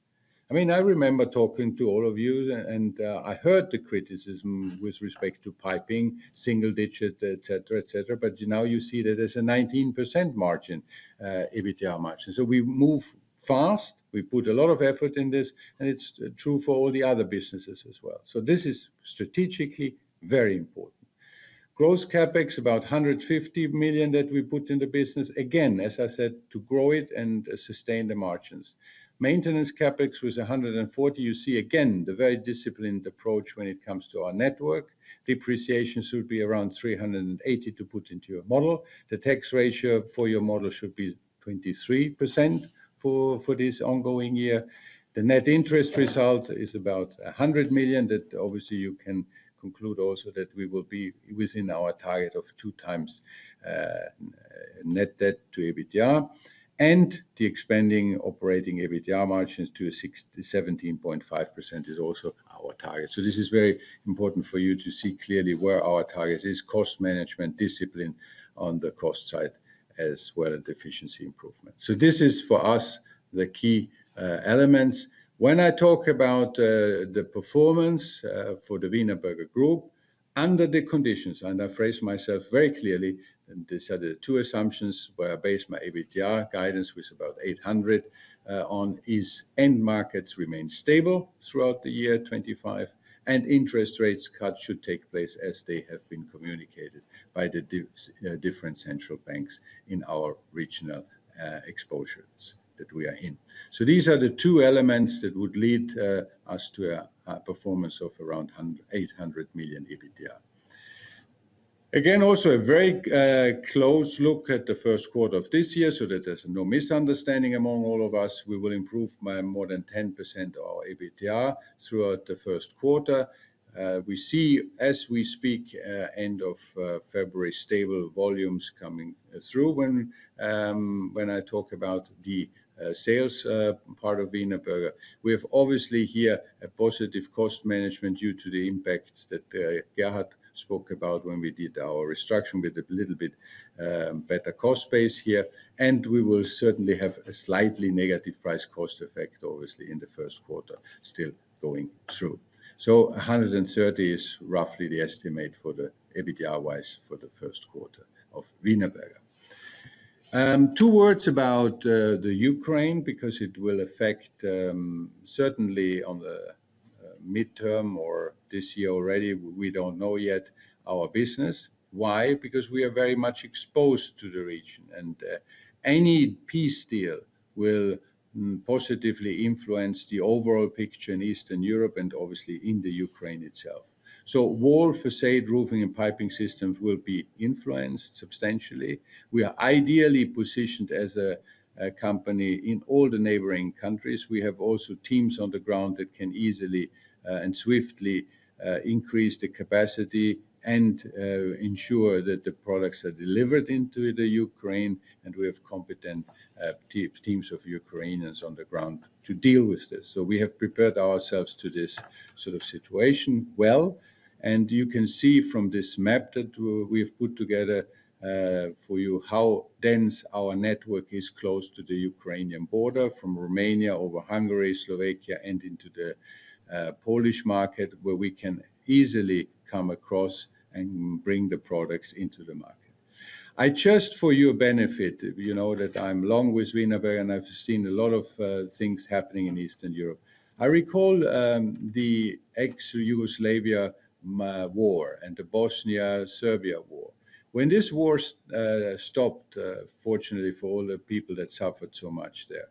I mean, I remember talking to all of you, and I heard the criticism with respect to piping, single digit, etc., etc. Now you see that there's a 19% margin, EBITDA margin. We move fast. We put a lot of effort in this, and it's true for all the other businesses as well. So this is strategically very important. Gross CapEx, about 150 million that we put in the business. Again, as I said, to grow it and sustain the margins. Maintenance CapEx was 140 million. You see again the very disciplined approach when it comes to our network. Depreciation should be around 380 million to put into your model. The tax ratio for your model should be 23% for this ongoing year. The net interest result is about 100 million. That obviously you can conclude also that we will be within our target of two times net debt to EBITDA. And the expanding operating EBITDA margins to 17.5% is also our target. This is very important for you to see clearly where our target is, cost management, discipline on the cost side as well, and efficiency improvement. This is for us the key elements. When I talk about the performance for the Wienerberger Group under the conditions, and I phrase myself very clearly, these are the two assumptions where I base my EBITDA guidance with about 800 million. One is end markets remain stable throughout the year 2025, and interest rates cut should take place as they have been communicated by the different central banks in our regional exposures that we are in. These are the two elements that would lead us to a performance of around 800 million EBITDA. Again, also a very close look at the first quarter of this year so that there's no misunderstanding among all of us. We will improve by more than 10% of our EBITDA throughout the first quarter. We see, as we speak, end of February, stable volumes coming through. When I talk about the sales part of Wienerberger, we have obviously here a positive cost management due to the impact that Gerhard spoke about when we did our restructuring with a little bit better cost base here. And we will certainly have a slightly negative price cost effect, obviously, in the first quarter still going through. So 130 is roughly the estimate for the EBITDA wise for the first quarter of Wienerberger. Two words about the Ukraine because it will affect certainly on the midterm or this year already, we don't know yet our business. Why? Because we are very much exposed to the region. Any peace deal will positively influence the overall picture in Eastern Europe and obviously in the Ukraine itself. So wall, facade, roofing, and piping systems will be influenced substantially. We are ideally positioned as a company in all the neighboring countries. We have also teams on the ground that can easily and swiftly increase the capacity and ensure that the products are delivered into the Ukraine. And we have competent teams of Ukrainians on the ground to deal with this. So we have prepared ourselves to this sort of situation well. And you can see from this map that we have put together for you how dense our network is close to the Ukrainian border from Romania over Hungary, Slovakia, and into the Polish market where we can easily come across and bring the products into the market. I just, for your benefit, you know that I'm long with Wienerberger and I've seen a lot of things happening in Eastern Europe. I recall the ex-Yugoslavia war and the Bosnia-Serbia war. When this war stopped, fortunately for all the people that suffered so much there,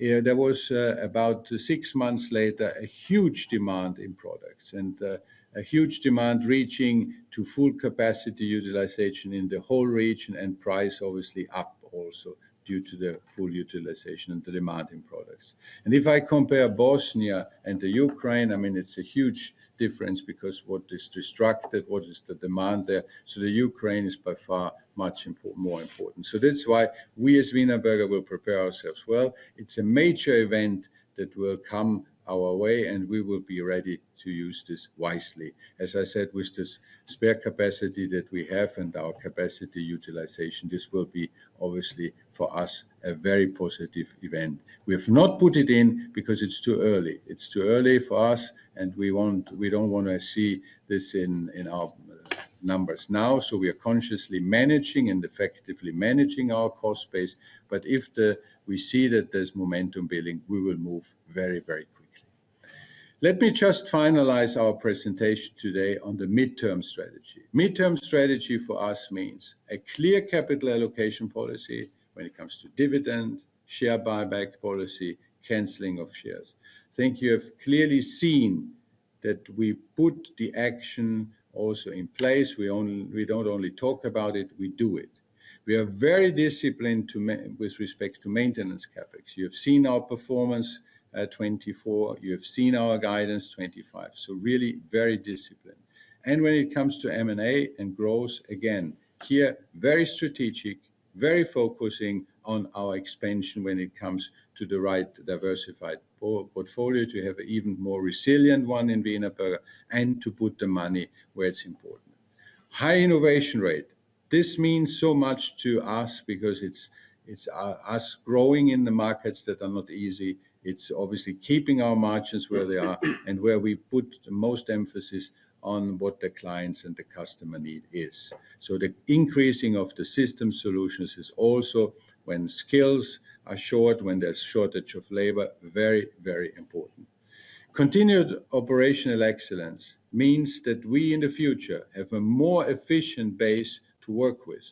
there was about six months later a huge demand in products and a huge demand reaching to full capacity utilization in the whole region and price obviously up also due to the full utilization and the demand in products. If I compare Bosnia and the Ukraine, I mean, it's a huge difference because what is destroyed, what is the demand there. The Ukraine is by far much more important. That's why we as Wienerberger will prepare ourselves well. It's a major event that will come our way, and we will be ready to use this wisely. As I said, with this spare capacity that we have and our capacity utilization, this will be obviously for us a very positive event. We have not put it in because it's too early. It's too early for us, and we don't want to see this in our numbers now. So we are consciously managing and effectively managing our cost base. But if we see that there's momentum building, we will move very, very quickly. Let me just finalize our presentation today on the midterm strategy. Midterm strategy for us means a clear capital allocation policy when it comes to dividend, share buyback policy, canceling of shares. I think you have clearly seen that we put the action also in place. We don't only talk about it, we do it. We are very disciplined with respect to maintenance CAPEX. You have seen our performance 2024. You have seen our guidance 25. So really very disciplined. And when it comes to M&A and growth, again, here, very strategic, very focusing on our expansion when it comes to the right diversified portfolio to have an even more resilient one in Wienerberger and to put the money where it's important. High innovation rate. This means so much to us because it's us growing in the markets that are not easy. It's obviously keeping our margins where they are and where we put the most emphasis on what the clients and the customer need is. So the increasing of the system solutions is also when skills are short, when there's shortage of labor, very, very important. Continued operational excellence means that we in the future have a more efficient base to work with,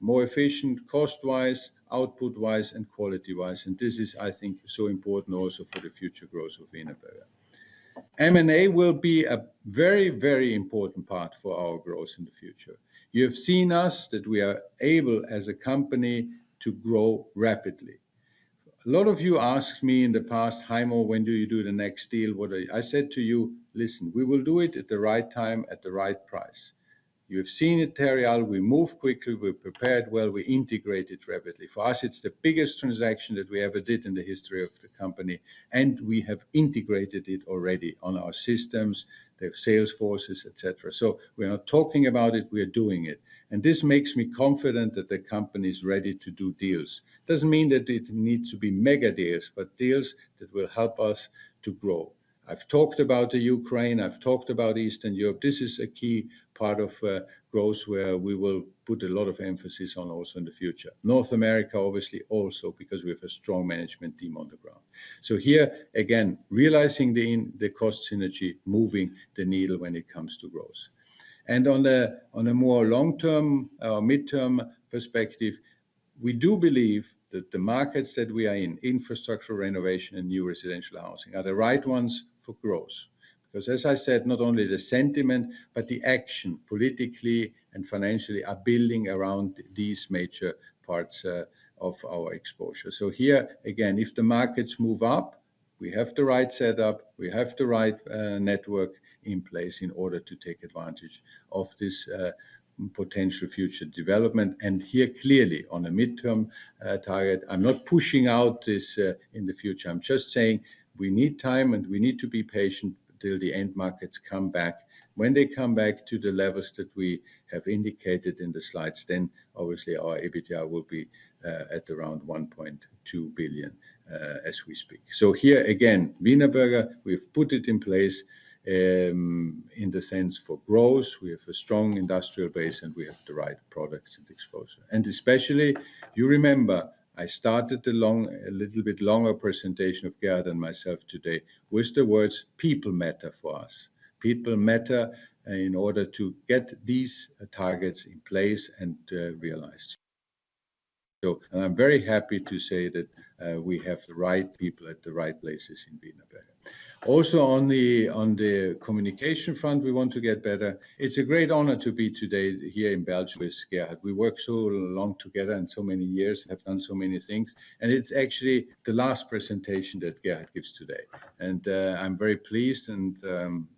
more efficient cost-wise, output-wise, and quality-wise. This is, I think, so important also for the future growth of Wienerberger. M&A will be a very, very important part for our growth in the future. You have seen us that we are able as a company to grow rapidly. A lot of you asked me in the past, "Heimo, when do you do the next deal?" I said to you, "Listen, we will do it at the right time at the right price." You have seen it, Terreal. We move quickly. We're prepared well. We integrate it rapidly. For us, it's the biggest transaction that we ever did in the history of the company. We have integrated it already on our systems, the sales forces, etc. So we're not talking about it. We are doing it. This makes me confident that the company is ready to do deals. It doesn't mean that it needs to be mega deals, but deals that will help us to grow. I've talked about the Ukraine. I've talked about Eastern Europe. This is a key part of growth where we will put a lot of emphasis on also in the future. North America, obviously, also because we have a strong management team on the ground. So here, again, realizing the cost synergy, moving the needle when it comes to growth. And on a more long-term or midterm perspective, we do believe that the markets that we are in, infrastructure, renovation, and new residential housing, are the right ones for growth. Because, as I said, not only the sentiment, but the action politically and financially are building around these major parts of our exposure. So here, again, if the markets move up, we have the right setup. We have the right network in place in order to take advantage of this potential future development. And here, clearly, on a midterm target, I'm not pushing out this in the future. I'm just saying we need time and we need to be patient till the end markets come back. When they come back to the levels that we have indicated in the slides, then obviously our EBITDA will be at around 1.2 billion as we speak. So here, again, Wienerberger, we've put it in place in the sense for growth. We have a strong industrial base and we have the right products and exposure. And especially, you remember, I started a little bit longer presentation of Gerhard and myself today with the words people matter for us. People matter in order to get these targets in place and realized. And I'm very happy to say that we have the right people at the right places in Wienerberger. Also on the communication front, we want to get better. It's a great honor to be today here in Belgium with Gerhard. We worked so long together and so many years, have done so many things. And it's actually the last presentation that Gerhard gives today. And I'm very pleased. And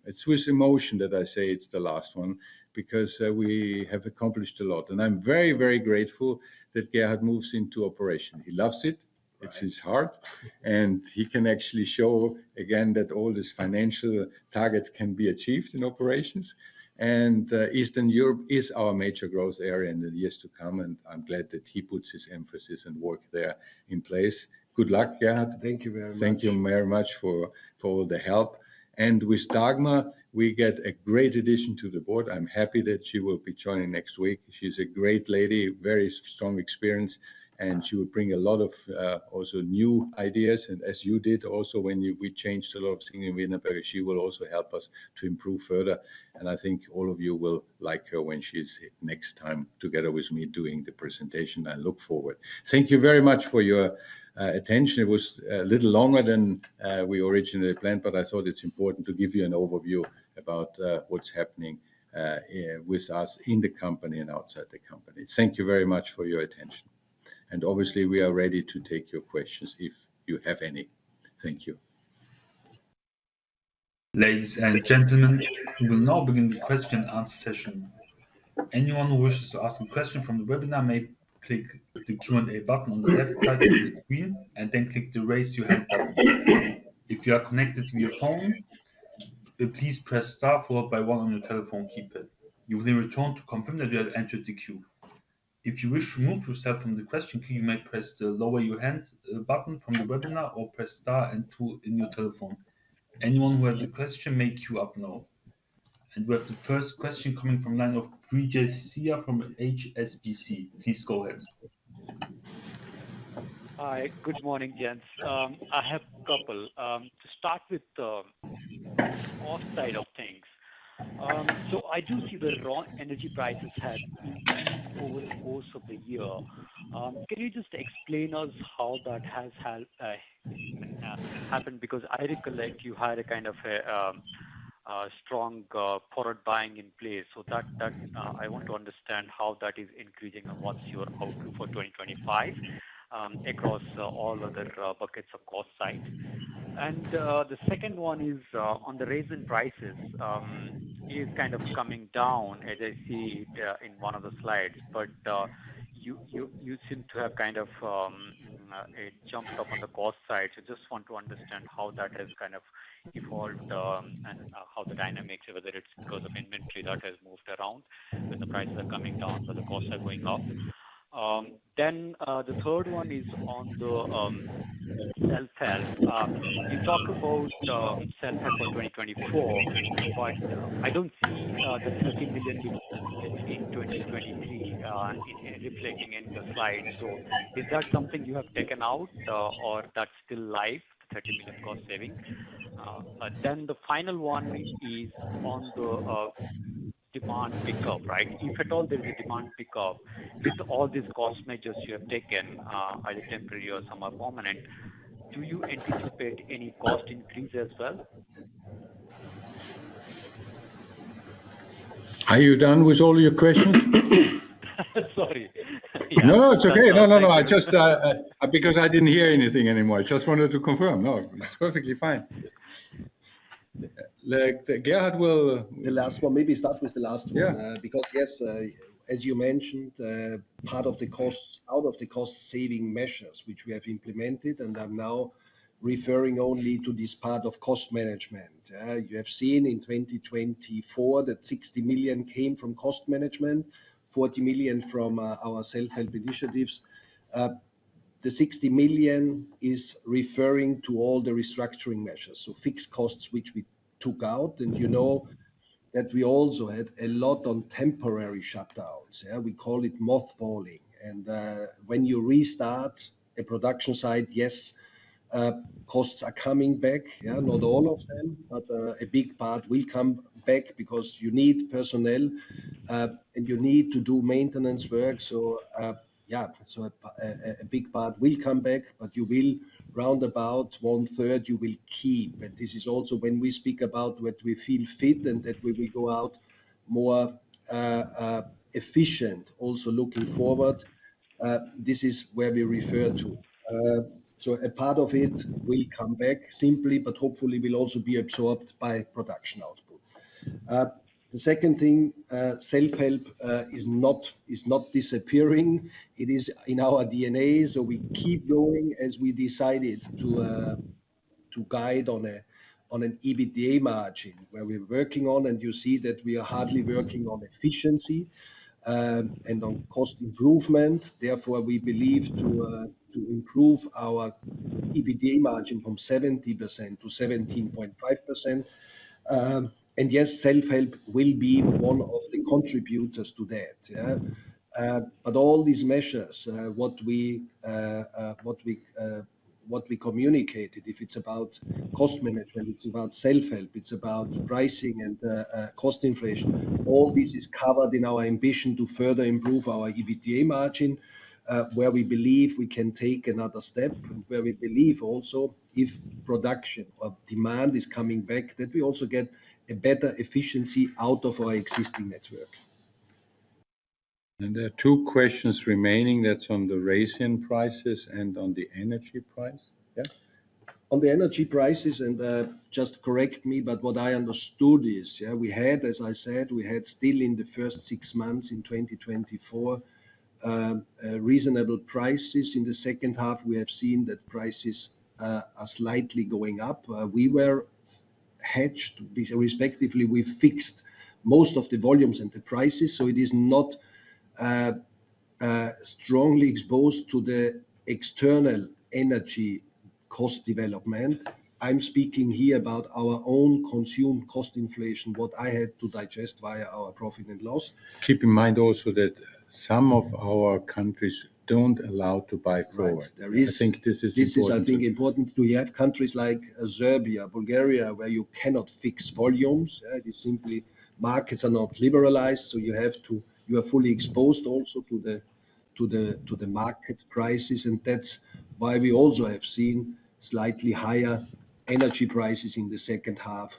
it's with emotion that I say it's the last one because we have accomplished a lot. And I'm very, very grateful that Gerhard moves into operation. He loves it. It's his heart. And he can actually show again that all these financial targets can be achieved in operations. And Eastern Europe is our major growth area in the years to come. And I'm glad that he puts his emphasis and work there in place. Good luck, Gerhard. Thank you very much. Thank you very much for all the help. And with Dagmar, we get a great addition to the board. I'm happy that she will be joining next week. She's a great lady, very strong experience. And she will bring a lot of also new ideas. And as you did also when we changed a lot of things in Wienerberger, she will also help us to improve further. And I think all of you will like her when she's next time together with me doing the presentation. I look forward. Thank you very much for your attention. It was a little longer than we originally planned, but I thought it's important to give you an overview about what's happening with us in the company and outside the company. Thank you very much for your attention. And obviously, we are ready to take your questions if you have any. Thank you.
Ladies and gentlemen, we will now begin the question and answer session. Anyone who wishes to ask a question from the webinar may click the Q&A button on the left side of the screen and then click the raise your hand button. If you are connected to your phone, please press star followed by one on your telephone keypad. You will then return to confirm that you have entered the queue. If you wish to move yourself from the question queue, you may press the lower your hand button from the webinar or press star and two in your telephone. Anyone who has a question may queue up now. And we have the first question coming from the line of Brijesh Siya from HSBC. Please go ahead.
Hi. Good morning, Gents. I have a couple. To start with the cost side of things, so I do see the raw energy prices have increased over the course of the year. Can you just explain to us how that has happened? Because I recollect you had a kind of a strong forward buying in place. So I want to understand how that is increasing and what's your outlook for 2025 across all other buckets of cost side. And the second one is on the raising prices is kind of coming down as I see it in one of the slides. But you seem to have kind of a jump up on the cost side. So I just want to understand how that has kind of evolved and how the dynamics, whether it's because of inventory that has moved around, that the prices are coming down, that the costs are going up. Then the third one is on the self-help. You talked about self-help for 2024, but I don't see the 30 million you've spent in 2023 reflecting in the slides. So is that something you have taken out or that's still live, the 30 million cost saving? Then the final one is on the demand pickup, right? If at all there is a demand pickup with all these cost measures you have taken, either temporary or somewhat permanent, do you anticipate any cost increase as well?
Are you done with all your questions?
Sorry.
No, no, it's okay. No, no, no. Because I didn't hear anything anymore. I just wanted to confirm. No, it's perfectly fine. Gerhard will. The last one.
Maybe start with the last one because, yes, as you mentioned, part of the cost out of the cost saving measures which we have implemented, and I'm now referring only to this part of cost management. You have seen in 2024 that 60 million came from cost management, 40 million from our self-help initiatives. The 60 million is referring to all the restructuring measures, so fixed costs which we took out. You know that we also had a lot on temporary shutdowns. We call it mothballing. When you restart a production site, yes, costs are coming back. Not all of them, but a big part will come back because you need personnel and you need to do maintenance work. Yeah, so a big part will come back, but you will round about one-third you will keep. And this is also when we speak about what we feel fit and that we will go out more efficient also looking forward. This is where we refer to. So a part of it will come back simply, but hopefully will also be absorbed by production output. The second thing, self-help is not disappearing. It is in our DNA. So we keep going as we decided to guide on an EBITDA margin where we're working on. And you see that we are hardly working on efficiency and on cost improvement. Therefore, we believe to improve our EBITDA margin from 70% to 17.5%. And yes, self-help will be one of the contributors to that. But all these measures, what we communicated, if it's about cost management, it's about self-help, it's about pricing and cost inflation, all this is covered in our ambition to further improve our EBITDA margin where we believe we can take another step and where we believe also if production or demand is coming back, that we also get a better efficiency out of our existing network.
And there are two questions remaining that's on the raising prices and on the energy price.
Yeah? On the energy prices, and just correct me, but what I understood is, yeah, we had, as I said, we had still in the first six months in 2024 reasonable prices. In the second half, we have seen that prices are slightly going up. We were hedged, respectively, we fixed most of the volumes and the prices. So it is not strongly exposed to the external energy cost development. I'm speaking here about our own consumed cost inflation, what I had to digest via our profit and loss. Keep in mind also that some of our countries don't allow to buy forward. I think this is important. This is, I think, important to have countries like Serbia, Bulgaria, where you cannot fix volumes. It is simply markets are not liberalized. So you have to, you are fully exposed also to the market prices. And that's why we also have seen slightly higher energy prices in the second half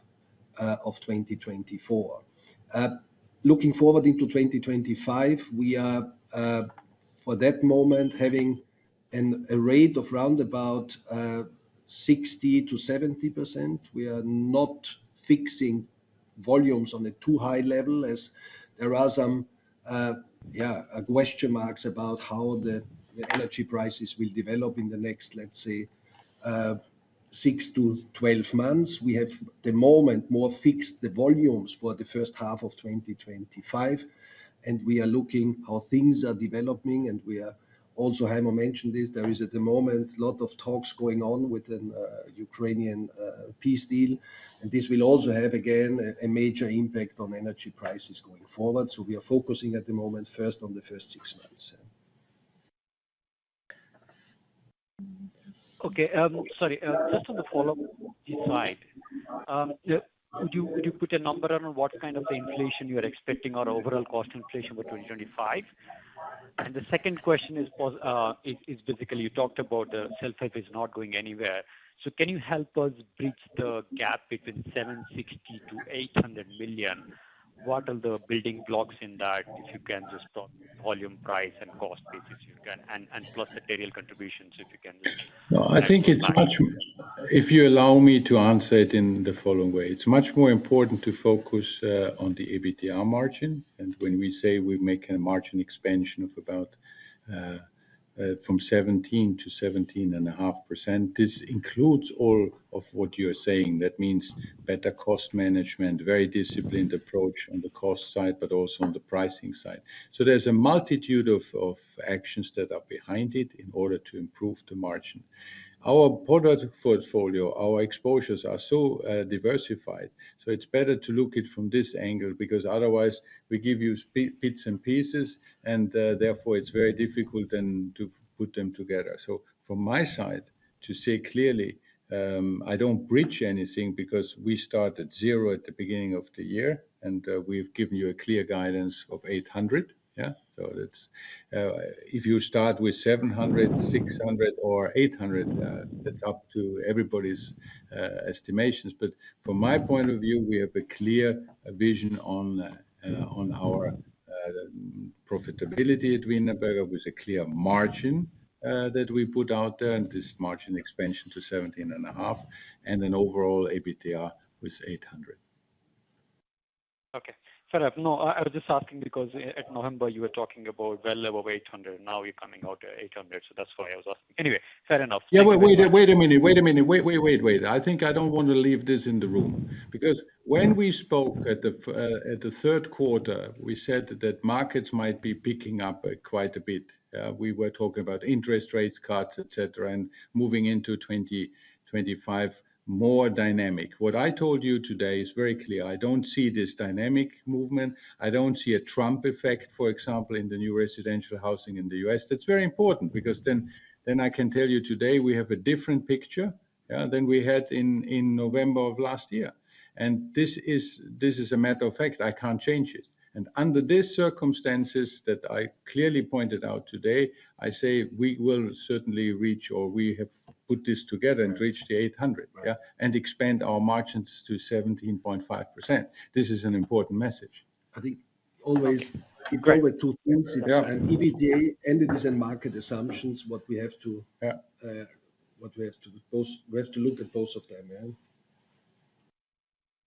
of 2024. Looking forward into 2025, we are, for that moment, having a rate of roundabout 60%-70%. We are not fixing volumes on a too high level as there are some, yeah, question marks about how the energy prices will develop in the next, let's say, six to 12 months. We have, at the moment, more fixed the volumes for the first half of 2025. And we are looking how things are developing. And we are also, Heimo mentioned this, there is, at the moment, a lot of talks going on with the Ukrainian peace deal. And this will also have, again, a major impact on energy prices going forward. So we are focusing, at the moment, first on the first six months.
Okay. Sorry. Just on the follow-up side, would you put a number on what kind of inflation you are expecting or overall cost inflation for 2025? And the second question is basically you talked about self-help is not going anywhere. So can you help us bridge the gap between 760 million to 800 million? What are the building blocks in that, if you can just talk volume, price, and cost basis, and plus the tail contributions, if you can just?
I think it's much, if you allow me to answer it in the following way. It's much more important to focus on the EBITDA margin. And when we say we make a margin expansion of about from 17% to 17.5%, this includes all of what you're saying. That means better cost management, very disciplined approach on the cost side, but also on the pricing side. So there's a multitude of actions that are behind it in order to improve the margin. Our product portfolio, our exposures are so diversified. So it's better to look at it from this angle because otherwise we give you bits and pieces, and therefore it's very difficult then to put them together. So from my side to say clearly, I don't bridge anything because we start at zero at the beginning of the year, and we've given you a clear guidance of 800. Yeah? So if you start with 700, 600, or 800, that's up to everybody's estimations. But from my point of view, we have a clear vision on our profitability at Wienerberger with a clear margin that we put out there and this margin expansion to 17.5% and an overall EBITDA with 800.
Okay. Fair enough. No, I was just asking because at November, you were talking about well over 800. Now you're coming out at 800. So that's why I was asking. Anyway, fair enough.
Yeah, wait a minute. Wait a minute. Wait, wait, wait, wait. I think I don't want to leave this in the room. Because when we spoke at the third quarter, we said that markets might be picking up quite a bit. We were talking about interest rates cuts, etc., and moving into 2025, more dynamic. What I told you today is very clear. I don't see this dynamic movement. I don't see a Trump effect, for example, in the new residential housing in the U.S. That's very important because then I can tell you today we have a different picture than we had in November of last year, and this is a matter of fact. I can't change it, and under these circumstances that I clearly pointed out today, I say we will certainly reach or we have put this together and reached the 800 and expand our margins to 17.5%. This is an important message. I think always you go with two things. It's an EBITDA and it is a market assumption what we have to look at both of them.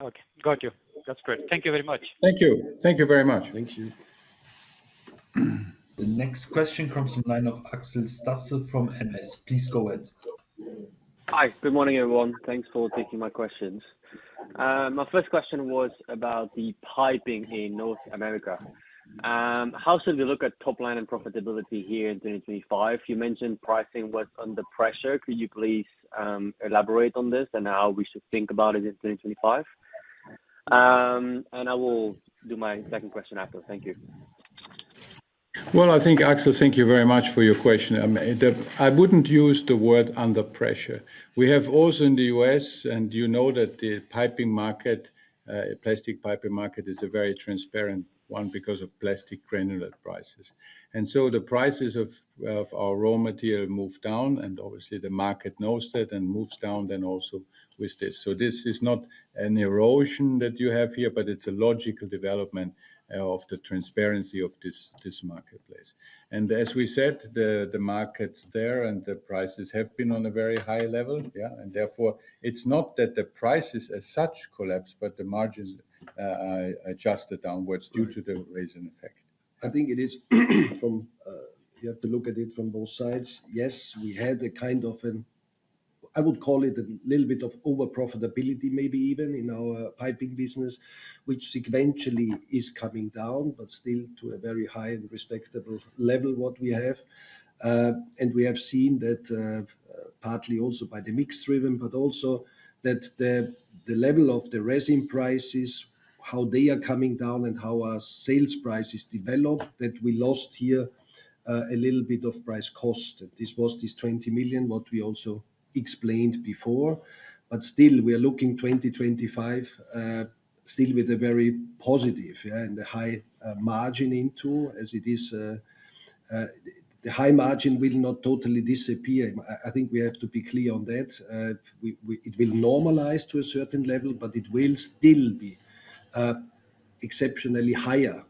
Okay. Got you. That's great. Thank you very much.
Thank you.
The next question comes from the line of Axel Stasse from MS. Please go ahead.
Hi. Good morning, everyone. Thanks for taking my questions. My first question was about the piping in North America. How should we look at top line and profitability here in 2025? You mentioned pricing was under pressure. Could you please elaborate on this and how we should think about it in 2025? And I will do my second question after. Thank you.
Well, I think, Axel, thank you very much for your question. I wouldn't use the word under pressure. We have also in the U.S., and you know that the piping market, plastic piping market, is a very transparent one because of plastic granular prices. And so the prices of our raw material move down, and obviously the market knows that and moves down then also with this. So this is not an erosion that you have here, but it's a logical development of the transparency of this marketplace. And as we said, the markets there and the prices have been on a very high level. Yeah? And therefore, it's not that the prices as such collapse, but the margins adjusted downwards due to the raising effect.
I think it is from, you have to look at it from both sides. Yes, we had a kind of an, I would call it a little bit of overprofitability maybe even in our piping business, which eventually is coming down, but still to a very high and respectable level what we have. And we have seen that partly also by the mixed driven, but also that the level of the resin prices, how they are coming down and how our sales prices develop, that we lost here a little bit of price cost. And this was this 20 million what we also explained before. But still, we are looking 2025 still with a very positive and a high margin into as it is, the high margin will not totally disappear. I think we have to be clear on that. It will normalize to a certain level, but it will still be exceptionally higher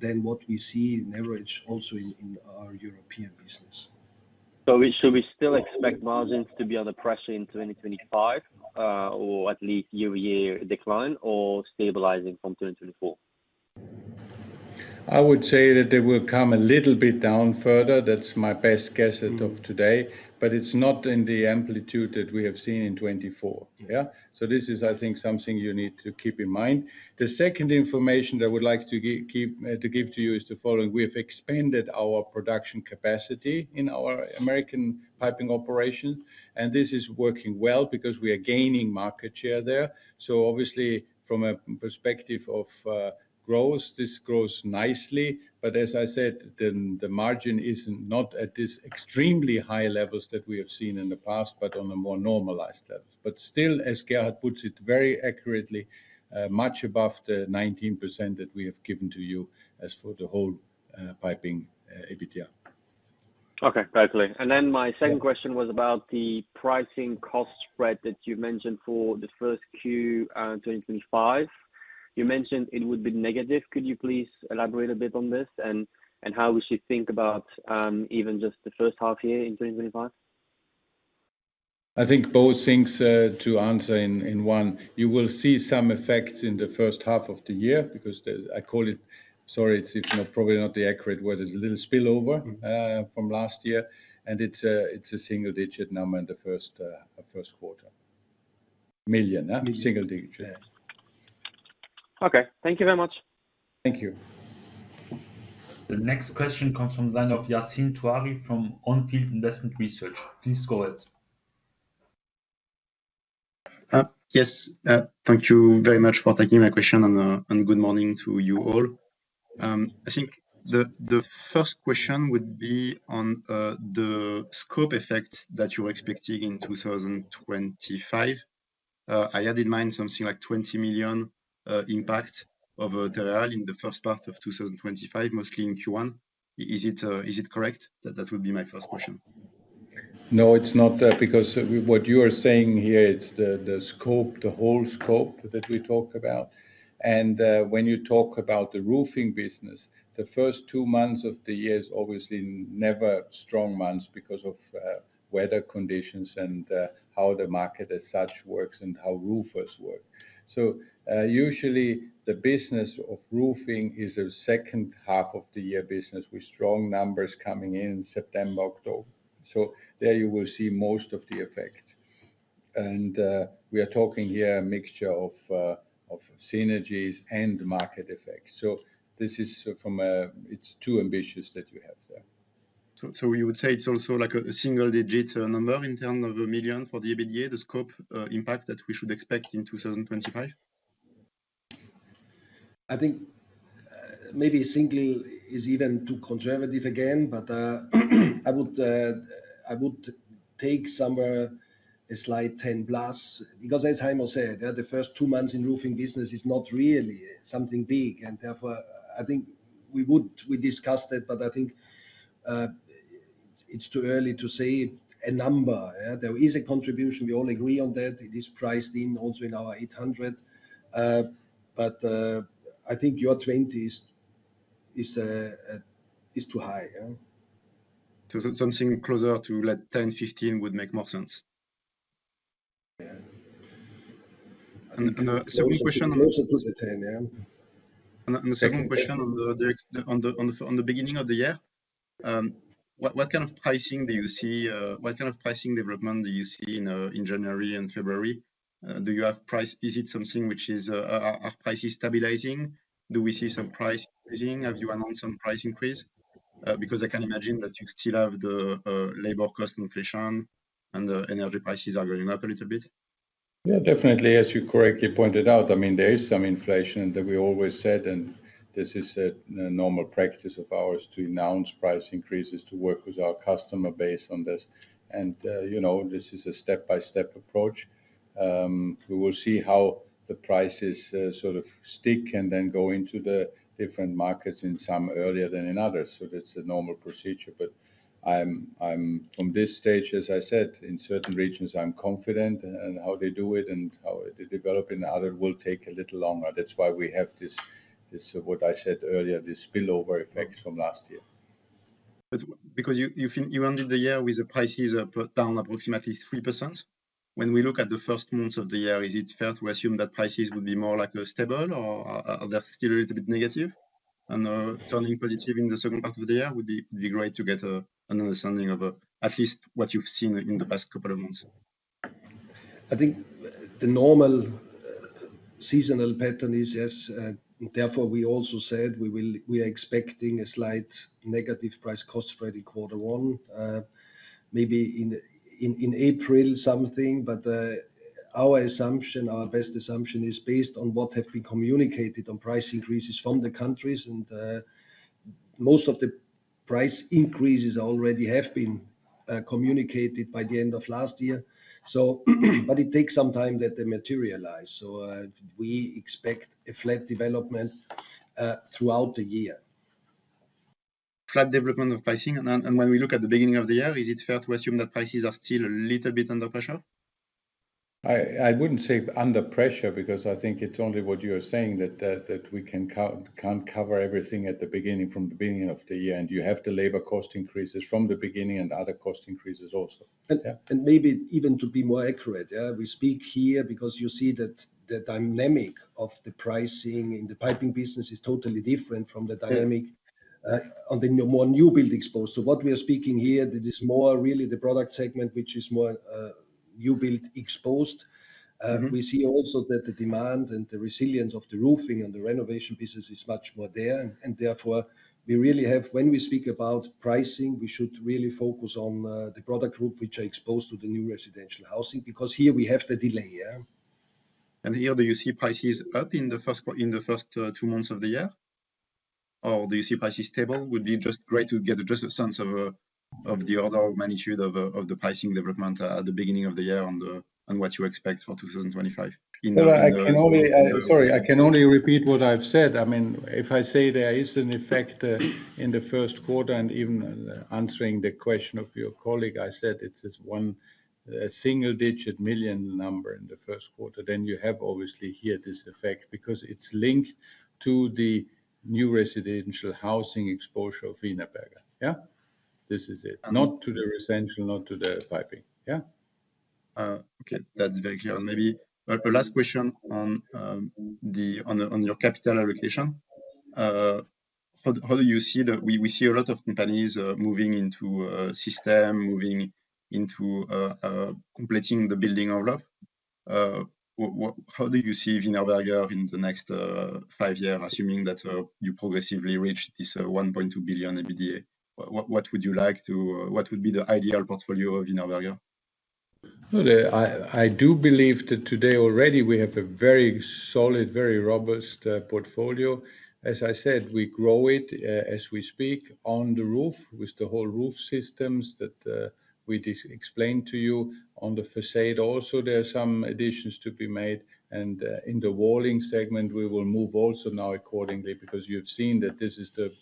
than what we see in average also in our European business.
So we still expect margins to be under pressure in 2025 or at least year-to-year decline or stabilizing from 2024?
I would say that they will come a little bit down further. That's my best guess as of today. But it's not in the amplitude that we have seen in 2024. Yeah? So this is, I think, something you need to keep in mind. The second information that I would like to give to you is the following. We have expanded our production capacity in our American piping operation. And this is working well because we are gaining market share there. So obviously, from a perspective of growth, this grows nicely. But as I said, the margin is not at these extremely high levels that we have seen in the past, but on a more normalized level. But still, as Gerhard puts it very accurately, much above the 19% that we have given to you as for the whole piping EBITDA.
Okay. Great. And then my second question was about the pricing cost spread that you mentioned for the first Q2025. You mentioned it would be negative. Could you please elaborate a bit on this and how we should think about even just the first half year in 2025?
I think both things to answer in one. You will see some effects in the first half of the year because I call it, sorry, it's probably not the accurate word, it's a little spillover from last year. And it's a single-digit EUR million in the first quarter. Single digit.
Okay. Thank you very much.
Thank you. The next question comes from line of Yassine Touahri from On Field Investment Research. Please go ahead.
Yes. Thank you very much for taking my question and good morning to you all. I think the first question would be on the scope effect that you're expecting in 2025. I had in mind something like 20 million impact of Terreal in the first part of 2025, mostly in Q1. Is it correct? That would be my first question.
No, it's not because what you are saying here, it's the scope, the whole scope that we talk about. And when you talk about the roofing business, the first two months of the year is obviously never strong months because of weather conditions and how the market as such works and how roofers work. Usually, the business of roofing is a second half of the year business with strong numbers coming in September, October. So there you will see most of the effect. And we are talking here a mixture of synergies and market effect. So this is from a; it's too ambitious that you have there.
So you would say it's also like a single-digit number in terms of a million for the EBITDA, the scope impact that we should expect in 2025?
I think maybe single is even too conservative again, but I would take somewhere a slight 10 plus. Because as Heimo said, the first two months in roofing business is not really something big. And therefore, I think we would; we discussed it, but I think it's too early to say a number. There is a contribution. We all agree on that. It is priced in also in our 800. But I think your 20 is too high.
So something closer to like 10, 15 would make more sense. Yeah. And the second question on the 10, yeah. And the second question on the beginning of the year, what kind of pricing do you see? What kind of pricing development do you see in January and February? Do you have price? Is it something which is our price is stabilizing? Do we see some price increasing? Have you announced some price increase? Because I can imagine that you still have the labor cost inflation and the energy prices are going up a little bit.
Yeah, definitely. As you correctly pointed out, I mean, there is some inflation that we always said, and this is a normal practice of ours to announce price increases to work with our customer base on this. This is a step-by-step approach. We will see how the prices sort of stick and then go into the different markets in some earlier than in others. That's a normal procedure. From this stage, as I said, in certain regions, I'm confident in how they do it and how they develop in other, it will take a little longer. That's why we have this, what I said earlier, this spillover effect from last year.
Because you ended the year with the prices down approximately 3%. When we look at the first months of the year, is it fair to assume that prices would be more like stable or are they still a little bit negative, and turning positive in the second part of the year would be great to get an understanding of at least what you've seen in the past couple of months.
I think the normal seasonal pattern is yes. Therefore, we also said we are expecting a slight negative price cost spread in quarter one, maybe in April something. But our assumption, our best assumption is based on what has been communicated on price increases from the countries. And most of the price increases already have been communicated by the end of last year. But it takes some time that they materialize. So we expect a flat development throughout the year.
Flat development of pricing. And when we look at the beginning of the year, is it fair to assume that prices are still a little bit under pressure?
I wouldn't say under pressure because I think it's only what you are saying that we can't cover everything at the beginning from the beginning of the year. And you have the labor cost increases from the beginning and other cost increases also.
And maybe even to be more accurate, we speak here because you see that the dynamic of the pricing in the piping business is totally different from the dynamic on the more new build exposed. So what we are speaking here, that is more really the product segment, which is more new build exposed. We see also that the demand and the resilience of the roofing and the renovation business is much more there. And therefore, we really have, when we speak about pricing, we should really focus on the product group which are exposed to the new residential housing because here we have the delay.
And here, do you see prices up in the first two months of the year? Or do you see prices stable? Would be just great to get just a sense of the order of magnitude of the pricing development at the beginning of the year on what you expect for 2025?
Sorry, I can only repeat what I've said. I mean, if I say there is an effect in the first quarter and even answering the question of your colleague, I said it's a single-digit million number in the first quarter, then you have obviously here this effect because it's linked to the new residential housing exposure of Wienerberger. Yeah? This is it. Not to the residential, not to the piping. Yeah?
Okay. That's very clear. And maybe the last question on your capital allocation. How do you see that we see a lot of companies moving into system, moving into completing the building envelope? How do you see Wienerberger in the next five years, assuming that you progressively reach this 1.2 billion EBITDA? What would you like to, what would be the ideal portfolio of Wienerberger?
I do believe that today already we have a very solid, very robust portfolio. As I said, we grow it as we speak on the roof with the whole roof systems that we explained to you. On the façade also, there are some additions to be made, and in the walling segment, we will move also now accordingly because you've seen that this is the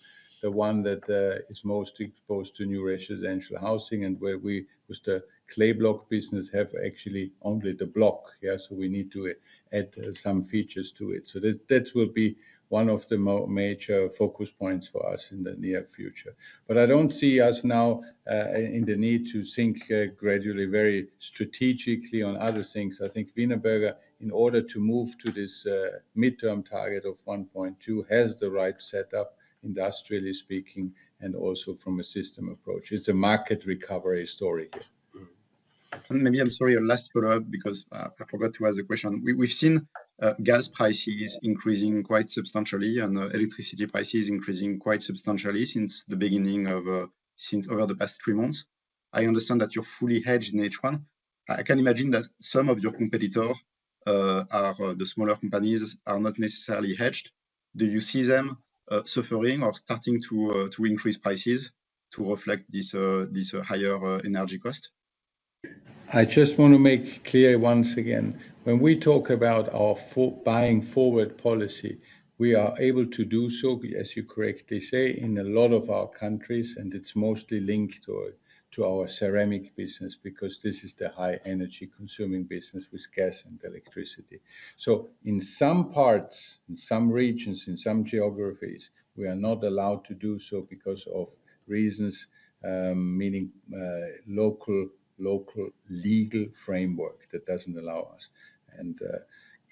one that is most exposed to new residential housing and where we with the clay block business have actually only the block. Yeah? So we need to add some features to it. So that will be one of the major focus points for us in the near future. But I don't see us now in the need to think gradually very strategically on other things. I think Wienerberger, in order to move to this midterm target of 1.2, has the right setup industrially speaking and also from a system approach. It's a market recovery story here.
And maybe, I'm sorry, I'll just follow up because I forgot to ask the question. We've seen gas prices increasing quite substantially and electricity prices increasing quite substantially since the beginning of, since over the past three months. I understand that you're fully hedged in H1. I can imagine that some of your competitors, the smaller companies, are not necessarily hedged. Do you see them suffering or starting to increase prices to reflect this higher energy cost?
I just want to make clear once again, when we talk about our buying forward policy, we are able to do so, as you correctly say, in a lot of our countries, and it's mostly linked to our ceramic business because this is the high energy consuming business with gas and electricity. So in some parts, in some regions, in some geographies, we are not allowed to do so because of reasons, meaning local legal framework that doesn't allow us. And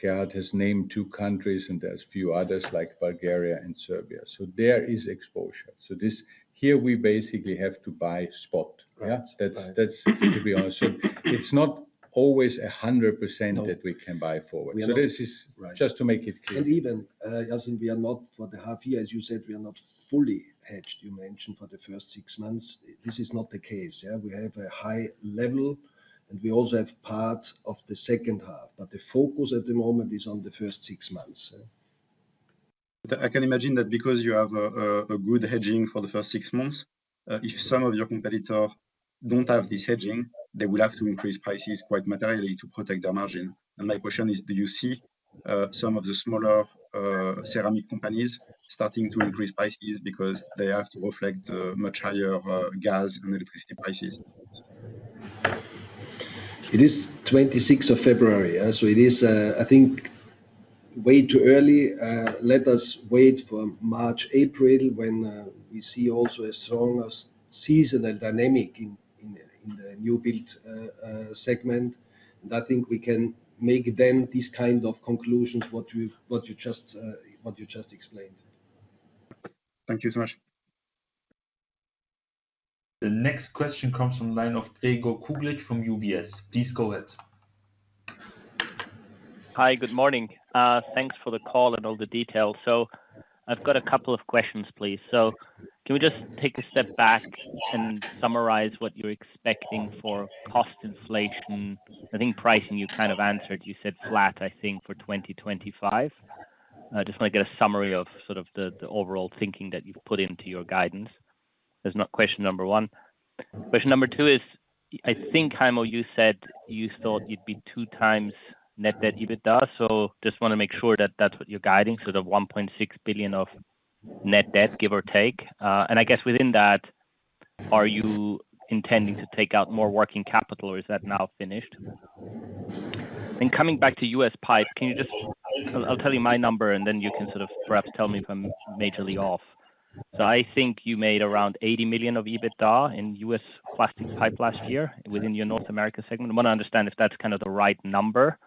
Gerhard has named two countries and there's a few others like Bulgaria and Serbia. So there is exposure. So this here we basically have to buy spot. Yeah? That's to be honest. So it's not always 100% that we can buy forward. So this is just to make it clear.
And even, Yassine, we are not for the half year, as you said, we are not fully hedged. You mentioned for the first six months. This is not the case. We have a high level and we also have part of the second half. But the focus at the moment is on the first six months.
I can imagine that because you have a good hedging for the first six months, if some of your competitors don't have this hedging, they will have to increase prices quite materially to protect their margin. And my question is, do you see some of the smaller ceramic companies starting to increase prices because they have to reflect much higher gas and electricity prices?
It is 26th of February. So it is, I think, way too early. Let us wait for March, April when we see also a stronger seasonal dynamic in the new build segment. And I think we can make then these kind of conclusions, what you just explained.
Thank you so much.
The next question comes from the line of Gregor Kuglitsch from UBS. Please go ahead.
Hi, good morning. Thanks for the call and all the details. So I've got a couple of questions, please. So can we just take a step back and summarize what you're expecting for cost inflation? I think pricing you kind of answered. You said flat, I think, for 2025. I just want to get a summary of sort of the overall thinking that you've put into your guidance. That's not question number one. Question number two is, I think, Heimo, you said you thought you'd be two times net debt EBITDA. So just want to make sure that that's what you're guiding, sort of 1.6 billion of net debt, give or take. And I guess within that, are you intending to take out more working capital or is that now finished? Coming back to U.S. pipe, can you just, I'll tell you my number and then you can sort of perhaps tell me if I'm majorly off. I think you made around 80 million of EBITDA in U.S. plastics pipe last year within your North America segment. I want to understand if that's kind of the right number.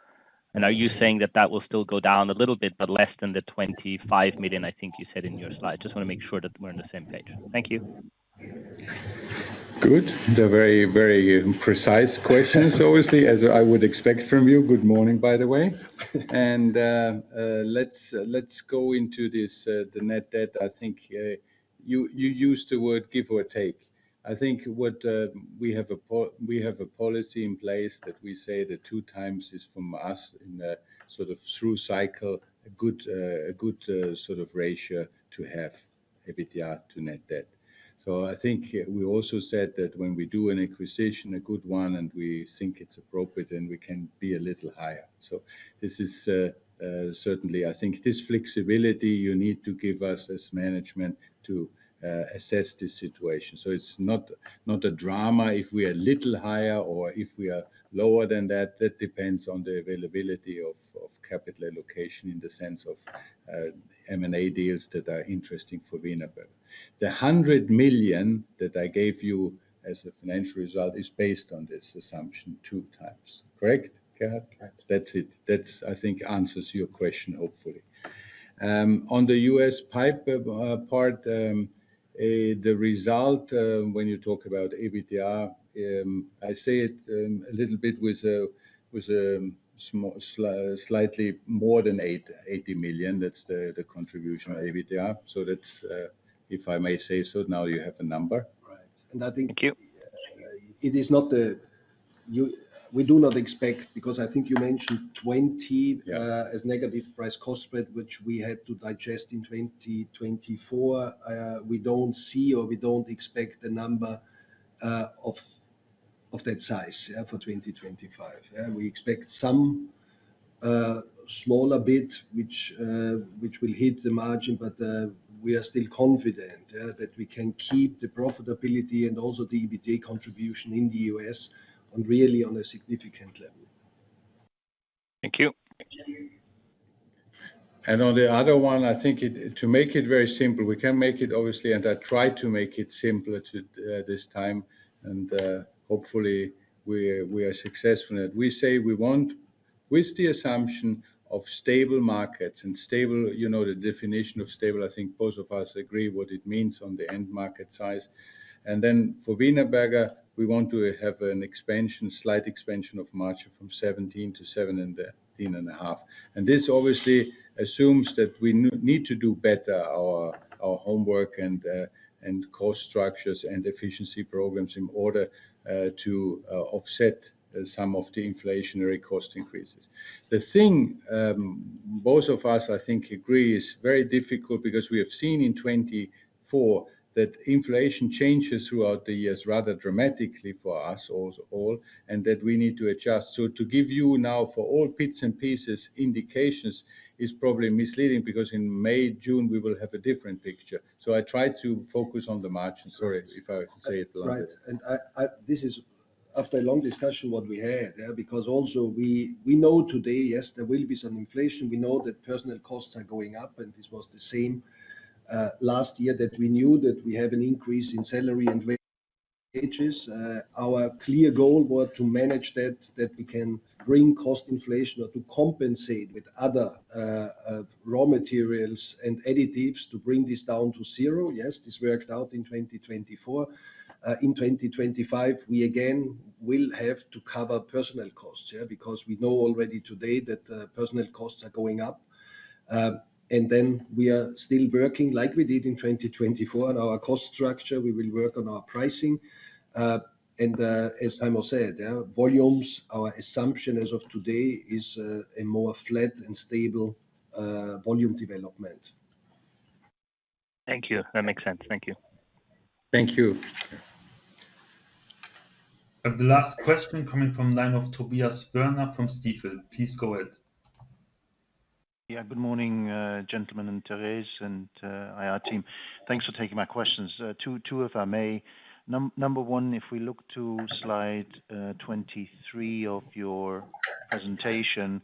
Are you saying that that will still go down a little bit, but less than the 25 million, I think you said in your slide? Just want to make sure that we're on the same page. Thank you.
Good. They're very, very precise questions, obviously, as I would expect from you. Good morning, by the way. Let's go into this, the net debt. I think you used the word give or take. I think we have a policy in place that we say that two times is from us in a sort of through cycle, a good sort of ratio to have EBITDA to net debt. So I think we also said that when we do an acquisition, a good one, and we think it's appropriate, then we can be a little higher. So this is certainly, I think this flexibility you need to give us as management to assess this situation. So it's not a drama if we are a little higher or if we are lower than that. That depends on the availability of capital allocation in the sense of M&A deals that are interesting for Wienerberger. The 100 million that I gave you as a financial result is based on this assumption two times. Correct, Gerhard? That's it. That's, I think, answers your question, hopefully. On the US pipe part, the result, when you talk about EBITDA, I say it a little bit with a slightly more than 80 million. That's the contribution of EBITDA. So that's, if I may say so, now you have a number. Right.
And I think it is not the we do not expect, because I think you mentioned 20 as negative price cost spread, which we had to digest in 2024. We don't see or we don't expect a number of that size for 2025. We expect some smaller bit, which will hit the margin, but we are still confident that we can keep the profitability and also the EBITDA contribution in the U.S. and really on a significant level.
Thank you.
On the other one, I think to make it very simple, we can make it obviously, and I tried to make it simpler this time, and hopefully we are successful in it. We say we want with the assumption of stable markets and stable, you know, the definition of stable, I think both of us agree what it means on the end market size. Then for Wienerberger, we want to have an expansion, slight expansion of margin from 17 to 17.5 and 13.5. This obviously assumes that we need to do better our homework and cost structures and efficiency programs in order to offset some of the inflationary cost increases. The thing both of us, I think, agree is very difficult because we have seen in 2024 that inflation changes throughout the years rather dramatically for us all and that we need to adjust. So to give you now for all bits and pieces indications is probably misleading because in May, June, we will have a different picture. So I tried to focus on the margin. Sorry if I say it longer.
Right. And this is after a long discussion what we heard because also we know today, yes, there will be some inflation. We know that personnel costs are going up and this was the same last year that we knew that we have an increase in salary and wages. Our clear goal was to manage that, that we can bring cost inflation or to compensate with other raw materials and additives to bring this down to zero. Yes, this worked out in 2024. In 2025, we again will have to cover personnel costs because we know already today that personnel costs are going up. And then we are still working like we did in 2024 on our cost structure. We will work on our pricing. And as Heimo said, volumes, our assumption as of today is a more flat and stable volume development.
Thank you. That makes sense. Thank you.
Thank you.
And the last question coming from line of Tobias Woerner from Stifel. Please go ahead.
Yeah, good morning, gentlemen and Therese and IR team. Thanks for taking my questions. Two if I may. Number one, if we look to slide 23 of your presentation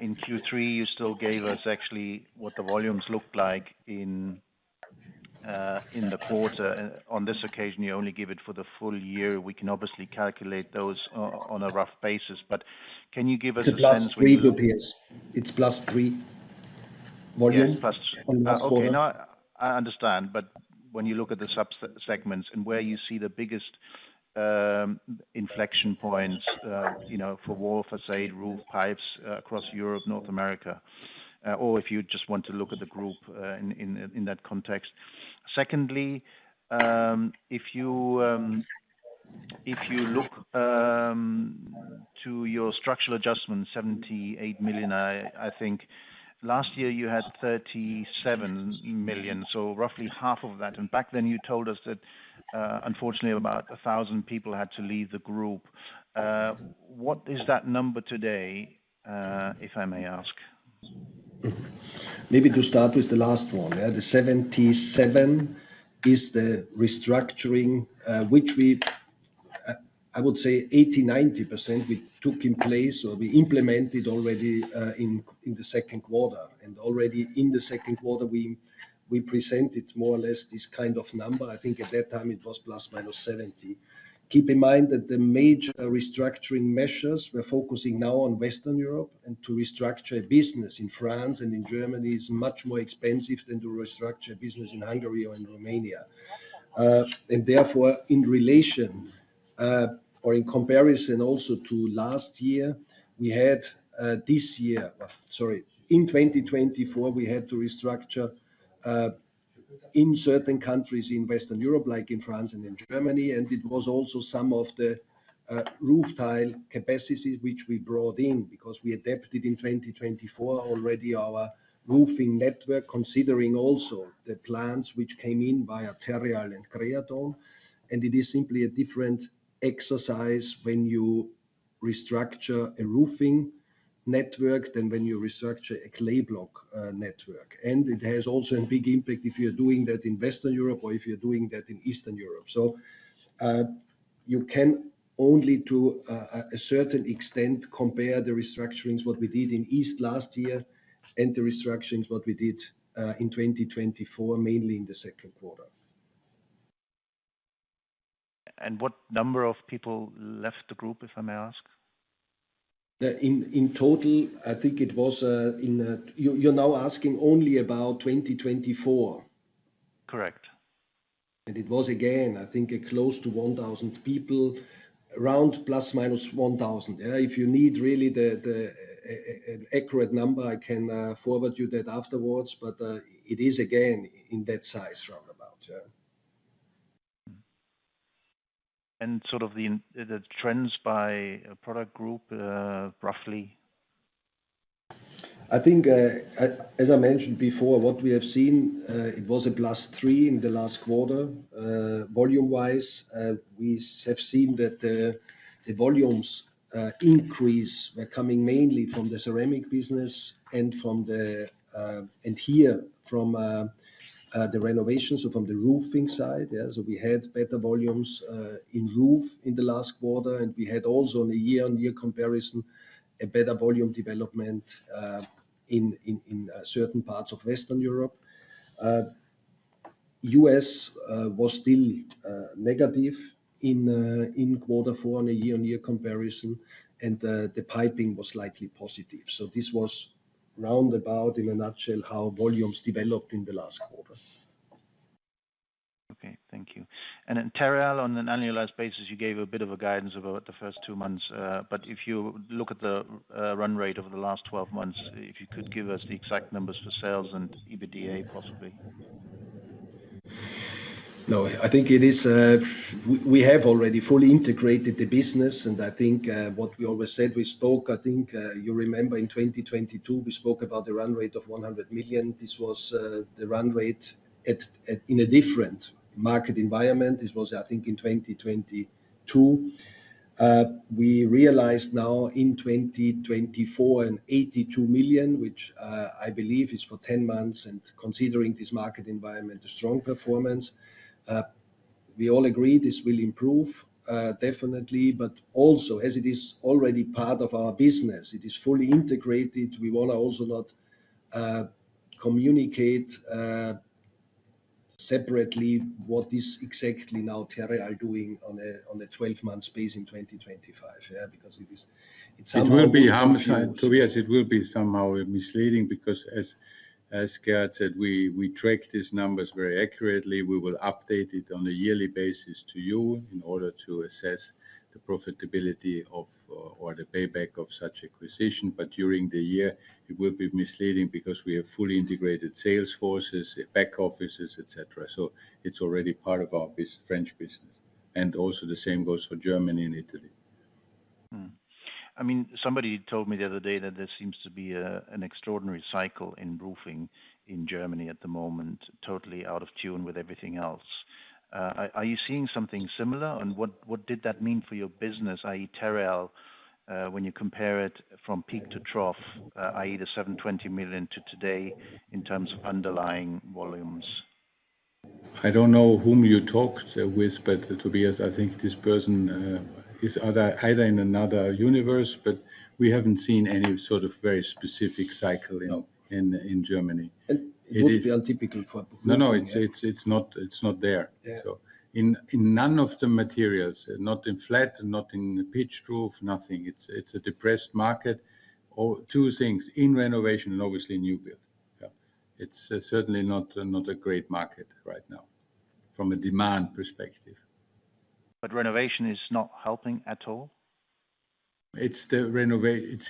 in Q3, you still gave us actually what the volumes looked like in the quarter. On this occasion, you only give it for the full year. We can obviously calculate those on a rough basis, but can you give us a sense?
It's plus 3, Tobias. It's plus 3 volume. Yes, plus 3. Okay.
I understand, but when you look at the subsegments and where you see the biggest inflection points for wall, facade, roof, pipes across Europe, North America, or if you just want to look at the group in that context. Secondly, if you look to your structural adjustment, 78 million. I think last year you had 37 million, so roughly half of that. And back then you told us that unfortunately about 1,000 people had to leave the group. What is that number today, if I may ask?
Maybe to start with the last one, the 77 million is the restructuring, which we, I would say 80% to 90% we took in place or we implemented already in the second quarter. And already in the second quarter, we presented more or less this kind of number. I think at that time it was plus minus 70. Keep in mind that the major restructuring measures we're focusing now on Western Europe and to restructure a business in France and in Germany is much more expensive than to restructure a business in Hungary or in Romania. And therefore, in relation or in comparison also to last year, we had this year, sorry, in 2024, we had to restructure in certain countries in Western Europe, like in France and in Germany. And it was also some of the roof tile capacities which we brought in because we adapted in 2024 already our roofing network, considering also the plants which came in via Terreal and Creaton. And it is simply a different exercise when you restructure a roofing network than when you restructure a clay block network. And it has also a big impact if you're doing that in Western Europe or if you're doing that in Eastern Europe. You can only to a certain extent compare the restructurings, what we did in East last year and the restructurings, what we did in 2024, mainly in the second quarter.
And what number of people left the group, if I may ask?
In total, I think it was. You're now asking only about 2024. Correct. And it was again, I think, close to 1,000 people, around plus minus 1,000. If you need really an accurate number, I can forward you that afterwards, but it is again in that size roundabout.
And sort of the trends by product group roughly?
I think, as I mentioned before, what we have seen, it was a plus three in the last quarter. Volume-wise, we have seen that the volumes increase were coming mainly from the ceramic business and here from the renovation, so from the roofing side. We had better volumes in roof in the last quarter, and we had also in a year-on-year comparison a better volume development in certain parts of Western Europe. The U.S. was still negative in quarter four in a year-on-year comparison, and the piping was slightly positive. This was roundabout in a nutshell how volumes developed in the last quarter.
Okay. Thank you. In Terreal, on an annualized basis, you gave a bit of a guidance about the first two months. But if you look at the run rate over the last 12 months, if you could give us the exact numbers for sales and EBITDA possibly.
No, I think it is we have already fully integrated the business, and I think what we always said we spoke. I think you remember in 2022, we spoke about the run rate of 100 million. This was the run rate in a different market environment. This was, I think, in 2022. We realized now in 2024 82 million, which I believe is for 10 months. Considering this market environment, a strong performance, we all agree this will improve definitely, but also as it is already part of our business, it is fully integrated. We want to also not communicate separately what is exactly now Terreal doing on a 12-month basis in 2025, because it will be somehow.
Tobias, it will be somehow misleading because as Gerhard said, we track these numbers very accurately. We will update it on a yearly basis to you in order to assess the profitability of or the payback of such acquisition. During the year, it will be misleading because we have fully integrated sales forces, back offices, etc. It's already part of our French business. And also the same goes for Germany and Italy.
I mean, somebody told me the other day that there seems to be an extraordinary cycle in roofing in Germany at the moment, totally out of tune with everything else. Are you seeing something similar? And what did that mean for your business, i.e., Terreal, when you compare it from peak to trough, i.e., the 720 million to today in terms of underlying volumes?
I don't know whom you talked with, but Tobias, I think this person is either in another universe, but we haven't seen any sort of very specific cycle in Germany. It would be untypical for a professional. No, no, it's not there. So in none of the materials, not in flat, not in pitched roof, nothing. It's a depressed market. Two things, in renovation and obviously in new build. It's certainly not a great market right now from a demand perspective.
But renovation is not helping at all?
It's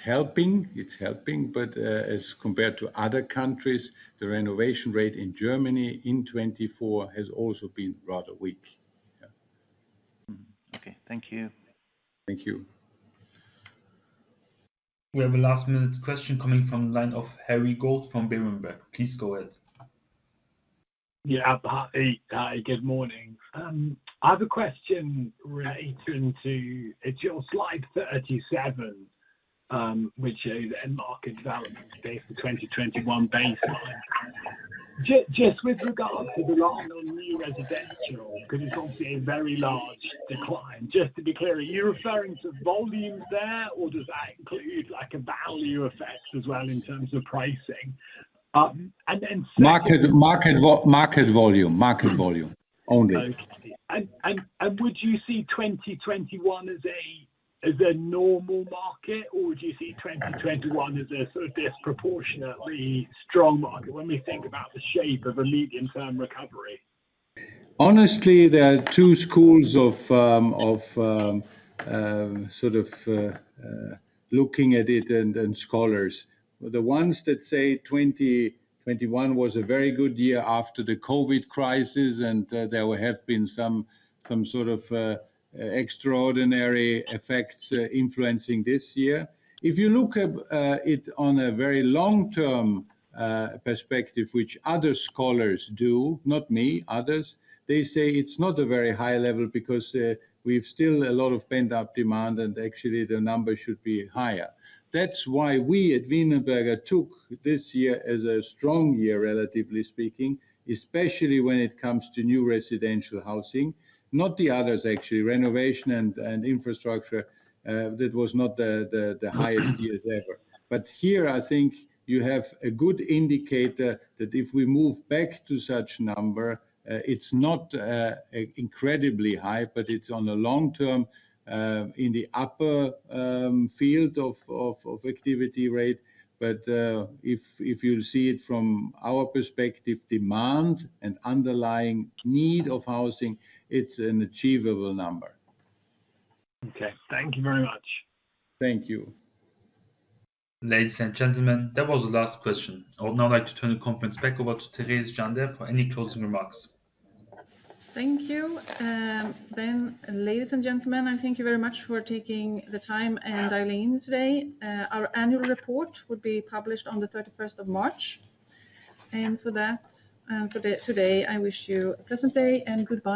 helping. It's helping, but as compared to other countries, the renovation rate in Germany in 2024 has also been rather weak.
Okay. Thank you.
Thank you.
We have a last minute question coming from line of Harry Goad from Berenberg. Please go ahead.
Yeah. Hi, good morning. I have a question relating to it's your slide 37, which is market development based for 2021 baseline. Just with regard to the long-term new residential, because it's obviously a very large decline. Just to be clear, are you referring to volume there, or does that include a value effect as well in terms of pricing? And then second. Market volume, market volume only. Would you see 2021 as a normal market, or would you see 2021 as a sort of disproportionately strong market when we think about the shape of a medium-term recovery?
Honestly, there are two schools of sort of looking at it and scholars. The ones that say 2021 was a very good year after the COVID crisis, and there will have been some sort of extraordinary effects influencing this year. If you look at it on a very long-term perspective, which other scholars do, not me, others, they say it's not a very high level because we've still a lot of pent-up demand, and actually the number should be higher. That's why we at Wienerberger took this year as a strong year, relatively speaking, especially when it comes to new residential housing. Not the others, actually, renovation and infrastructure, that was not the highest years ever. But here, I think you have a good indicator that if we move back to such number, it's not incredibly high, but it's on a long term in the upper field of activity rate. But if you see it from our perspective, demand and underlying need of housing, it's an achievable number.
Okay. Thank you very much.
Thank you. Ladies and gentlemen, that was the last question. I would now like to turn the conference back over to Therese Jandér for any closing remarks.
Thank you. Then, ladies and gentlemen, I thank you very much for taking the time and dialing in today. Our annual report will be published on the 31st of March. And for that, and for today, I wish you a pleasant day and goodbye.